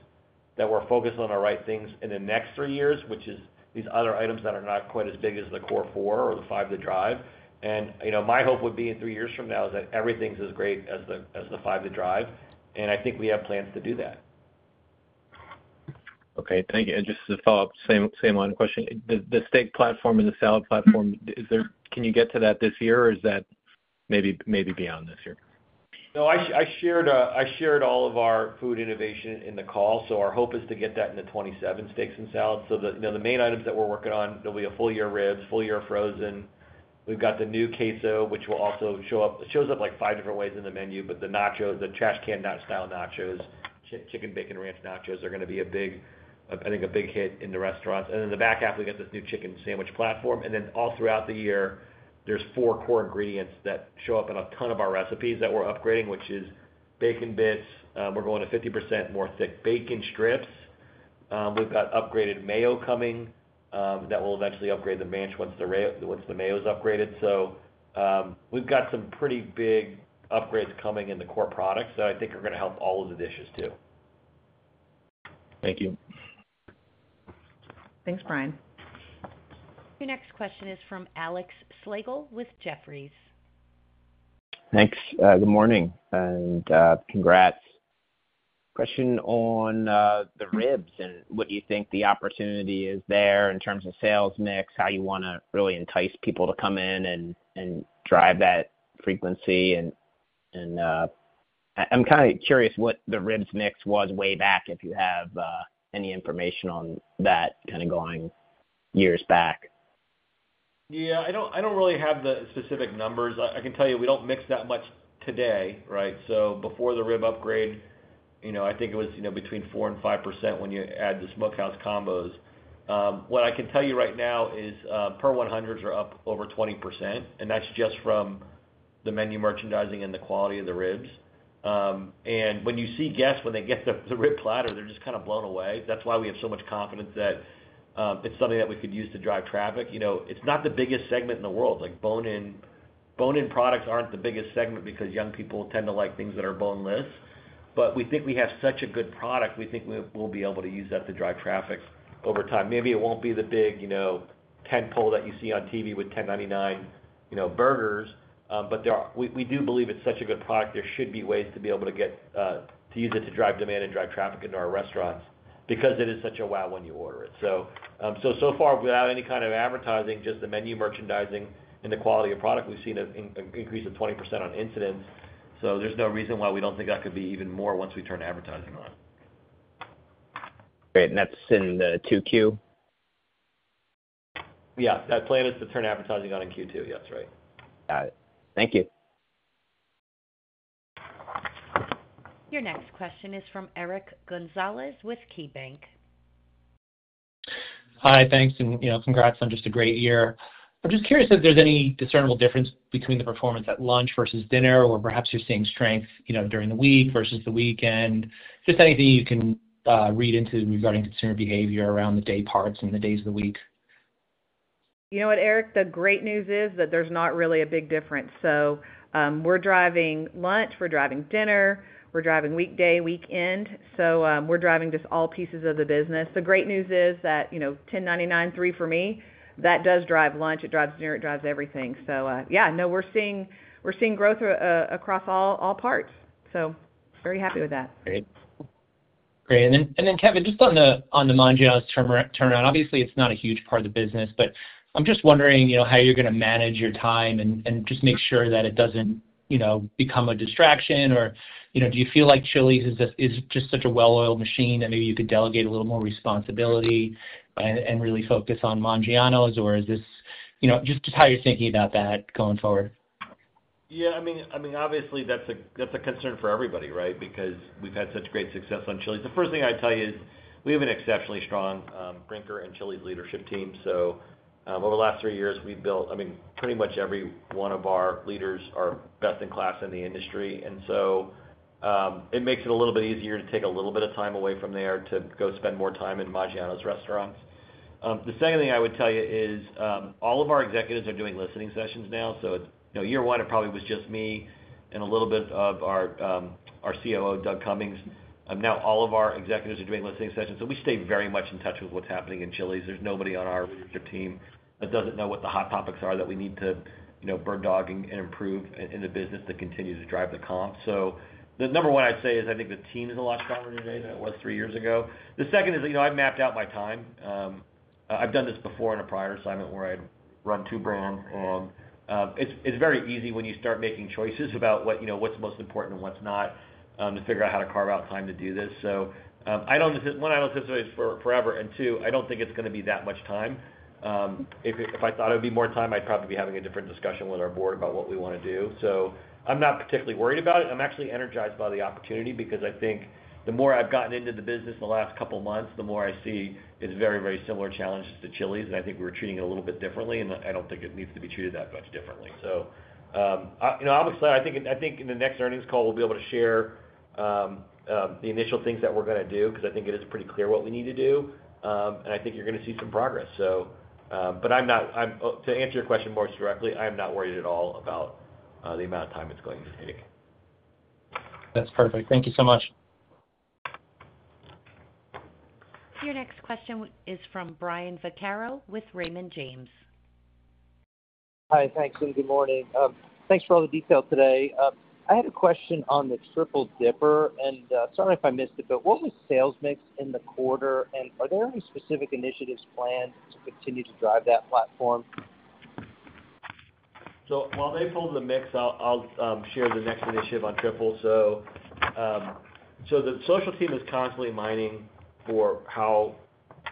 that we're focused on the right things in the next three years, which is these other items that are not quite as big as the core four or the Five to Drive. My hope would be in three years from now that everything's as great as the Five to Drive. I think we have plans to do that. Thank you. Just to follow up, same line of question, the steak platform and the salad platform, can you get to that this year or is that maybe beyond this year? No, I shared all of our food innovation in the call. Our hope is to get that in the 27 steaks and salads. The main items that we're working on, there'll be a full year of ribs, full year of frozen. We've got the new queso, which will also show up, shows up like five different ways in the menu. The nachos, the trash can style nachos, chicken bacon ranch nachos are going to be a big, I think, a big hit in the restaurants. In the back half, we got this new chicken sandwich platform. All throughout the year, there's four core ingredients that show up in a ton of our recipes that we're upgrading, which is bacon bits. We're going to 50% more thick bacon strips. We've got upgraded mayo coming that will eventually upgrade the mash once the mayo is upgraded. We've got some pretty big upgrades coming in the core products that I think are going to help all of the dishes too. Thank you. Thanks, Brian. Your next question is from Alex Slagle with Jefferies. Thanks. Good morning and congrats. Question on the ribs and what you think the opportunity is there in terms of sales mix, how you want to really entice people to come in and drive that frequency. I'm kind of curious what the ribs mix was way back, if you have any information on that kind of going years back. Yeah, I don't really have the specific numbers. I can tell you we don't mix that much today, right? Before the rib upgrade, I think it was between 4% and 5% when you add the smokehouse combos. What I can tell you right now is per 100s are up over 20%, and that's just from the menu merchandising and the quality of the ribs. When you see guests, when they get the rib platter, they're just kind of blown away. That's why we have so much confidence that it's something that we could use to drive traffic. It's not the biggest segment in the world. Bone-in products aren't the biggest segment because young people tend to like things that are boneless. We think we have such a good product, we think we'll be able to use that to drive traffic over time. Maybe it won't be the big, you know, tentpole that you see on TV with $10.99 burgers, but we do believe it's such a good product. There should be ways to be able to get to use it to drive demand and drive traffic into our restaurants because it is such a wow when you order it. So far, without any kind of advertising, just the menu merchandising and the quality of product, we've seen an increase of 20% on incidents. There's no reason why we don't think that could be even more once we turn advertising on. Great. That's in the 2Q? Yeah, that plan is to turn advertising on in Q2. Yes, right. Got it. Thank you. Your next question is from Eric Gonzalez with KeyBanc. Hi, thanks, and congrats on just a great year. I'm just curious if there's any discernible difference between the performance at lunch versus dinner, or perhaps you're seeing strength during the week versus the weekend. Just anything you can read into regarding consumer behavior around the day parts and the days of the week. You know what, Eric, the great news is that there's not really a big difference. We're driving lunch, we're driving dinner, we're driving weekday, weekend. We're driving just all pieces of the business. The great news is that, you know, $10.99 3 For Me, that does drive lunch, it drives dinner, it drives everything. We're seeing growth across all parts. Very happy with that. Great. Kevin, just on the Maggiano's turnaround, obviously it's not a huge part of the business, but I'm just wondering how you're going to manage your time and make sure that it doesn't become a distraction. Do you feel like Chili's is just such a well-oiled machine that maybe you could delegate a little more responsibility and really focus on Maggiano's, or is this just how you're thinking about that going forward? Yeah, obviously that's a concern for everybody, right? Because we've had such great success on Chili's. The first thing I'd tell you is we have an exceptionally strong Brinker and Chili's leadership team. Over the last three years, we built, pretty much every one of our leaders are best in class in the industry. It makes it a little bit easier to take a little bit of time away from there to go spend more time in Maggiano's restaurants. The second thing I would tell you is all of our executives are doing listening sessions now. Year one, it probably was just me and a little bit of our COO, Doug Cummings. Now all of our executives are doing listening sessions. We stay very much in touch with what's happening in Chili's. There's nobody on our leadership team that doesn't know what the hot topics are that we need to bird-dog and improve in the business to continue to drive the comps. The number one I'd say is I think the team is a lot stronger today than it was three years ago. The second is, I mapped out my time. I've done this before in a prior assignment where I had run two brands. It's very easy when you start making choices about what's most important and what's not to figure out how to carve out time to do this. I don't, one, I don't anticipate it's forever. Two, I don't think it's going to be that much time. If I thought it would be more time, I'd probably be having a different discussion with our board about what we want to do. I'm not particularly worried about it. I'm actually energized by the opportunity because I think the more I've gotten into the business in the last couple of months, the more I see it's very, very similar challenges to Chili's. I think we're treating it a little bit differently. I don't think it needs to be treated that much differently. I'm excited. I think in the next earnings call, we'll be able to share the initial things that we're going to do because I think it is pretty clear what we need to do. I think you're going to see some progress. To answer your question more directly, I am not worried at all about the amount of time it's going to take. That's perfect. Thank you so much. Your next question is from Brian Vaccaro with Raymond James. Hi, thanks, and good morning. Thanks for all the detail today. I have a question on the Triple Dipper. Sorry if I missed it, but what was sales mix in the quarter? Are there any specific initiatives planned to continue to drive that platform? While they pull the mix, I'll share the next initiative on Triple. The social team is constantly mining for how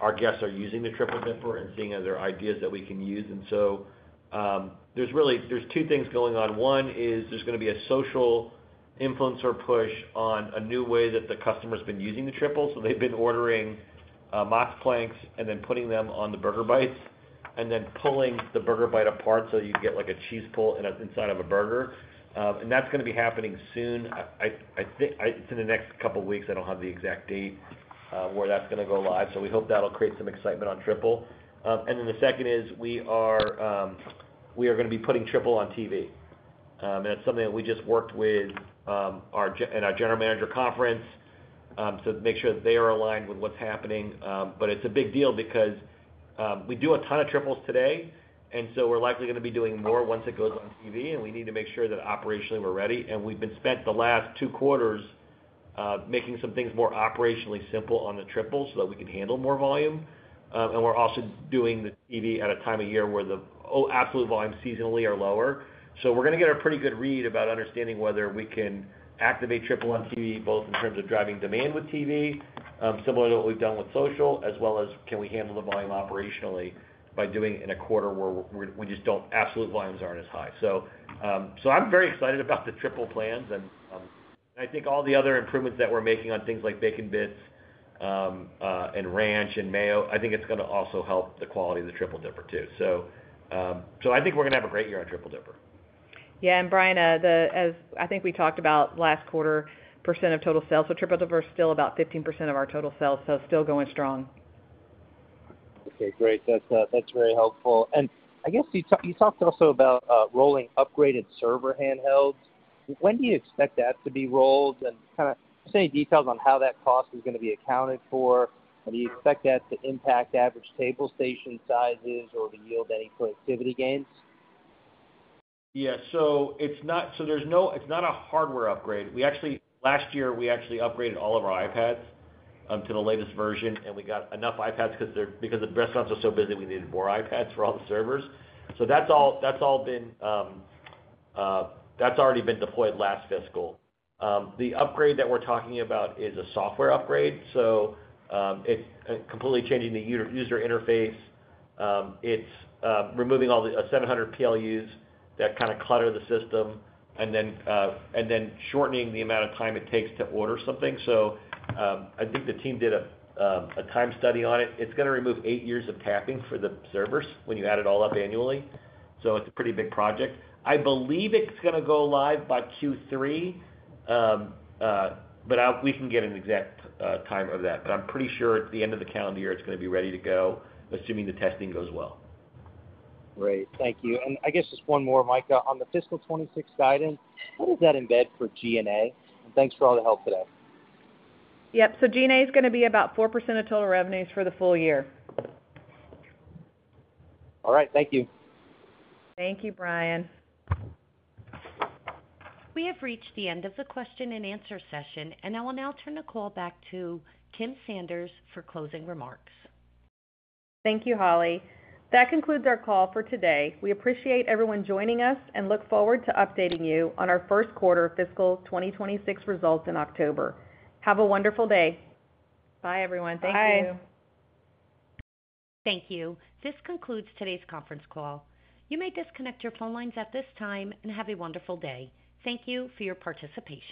our guests are using the Triple Dipper and seeing other ideas that we can use. There are really two things going on. One is there is going to be a social influencer push on a new way that the customer's been using the Triple. They've been ordering mozzplanks and then putting them on the burger bites and then pulling the burger bite apart so you can get like a cheese pull inside of a burger. That's going to be happening soon. I think it's in the next couple of weeks. I don't have the exact date where that's going to go live. We hope that'll create some excitement on Triple. The second is we are going to be putting Triple on TV. That's something that we just worked with our general manager conference to make sure that they are aligned with what's happening. It's a big deal because we do a ton of Triples today, and we're likely going to be doing more once it goes on TV. We need to make sure that operationally we're ready. We've spent the last two quarters making some things more operationally simple on the Triple so that we can handle more volume. We're also doing the TV at a time of year where the absolute volumes seasonally are lower. We're going to get a pretty good read about understanding whether we can activate Triple on TV, both in terms of driving demand with TV, similar to what we've done with social, as well as can we handle the volume operationally by doing it in a quarter where absolute volumes aren't as high. I'm very excited about the Triple plans. I think all the other improvements that we're making on things like bacon bits and ranch and mayo, I think it's going to also help the quality of the Triple Dipper too. I think we're going to have a great year on Triple Dipper. Yeah, Brian, as I think we talked about last quarter, percentage of total sales for Triple Dipper is still about 15% of our total sales, so still going strong. Okay, great. That's very helpful. I guess you talked also about rolling upgraded server handhelds. When do you expect that to be rolled? Any details on how that cost is going to be accounted for? Do you expect that to impact average table station sizes or to yield any productivity gains? Yeah, it's not a hardware upgrade. Last year, we actually upgraded all of our iPads to the latest version, and we got enough iPads because the restaurants were so busy, we needed more iPads for all the servers. That's all been, that's already been deployed last fiscal. The upgrade that we're talking about is a software upgrade. It's completely changing the user interface. It's removing all the 700 PLUs. That Kind of clutter the system, and then shortening the amount of time it takes to order something. I think the team did a time study on it. It's going to remove eight years of tapping for the servers when you add it all up annually. It's a pretty big project. I believe it's going to go live by Q3. We can get an exact time of that. I'm pretty sure at the end of the calendar year, it's going to be ready to go, assuming the testing goes well. Great, thank you. I guess just one more, Mika, on the fiscal 2026 guidance, what is that in for G&A? Thank you for all the help today. Yep. G&A is going to be about 4% of total revenues for the full year. All right. Thank you. Thank you, Brian. We have reached the end of the question and answer session, and I will now turn the call back to Kim Sanders for closing remarks. Thank you, Holly. That concludes our call for today. We appreciate everyone joining us and look forward to updating you on our first quarter fiscal 2026 results in October. Have a wonderful day. Bye, everyone. Thank you. Thank you. This concludes today's conference call. You may disconnect your phone lines at this time and have a wonderful day. Thank you for your participation.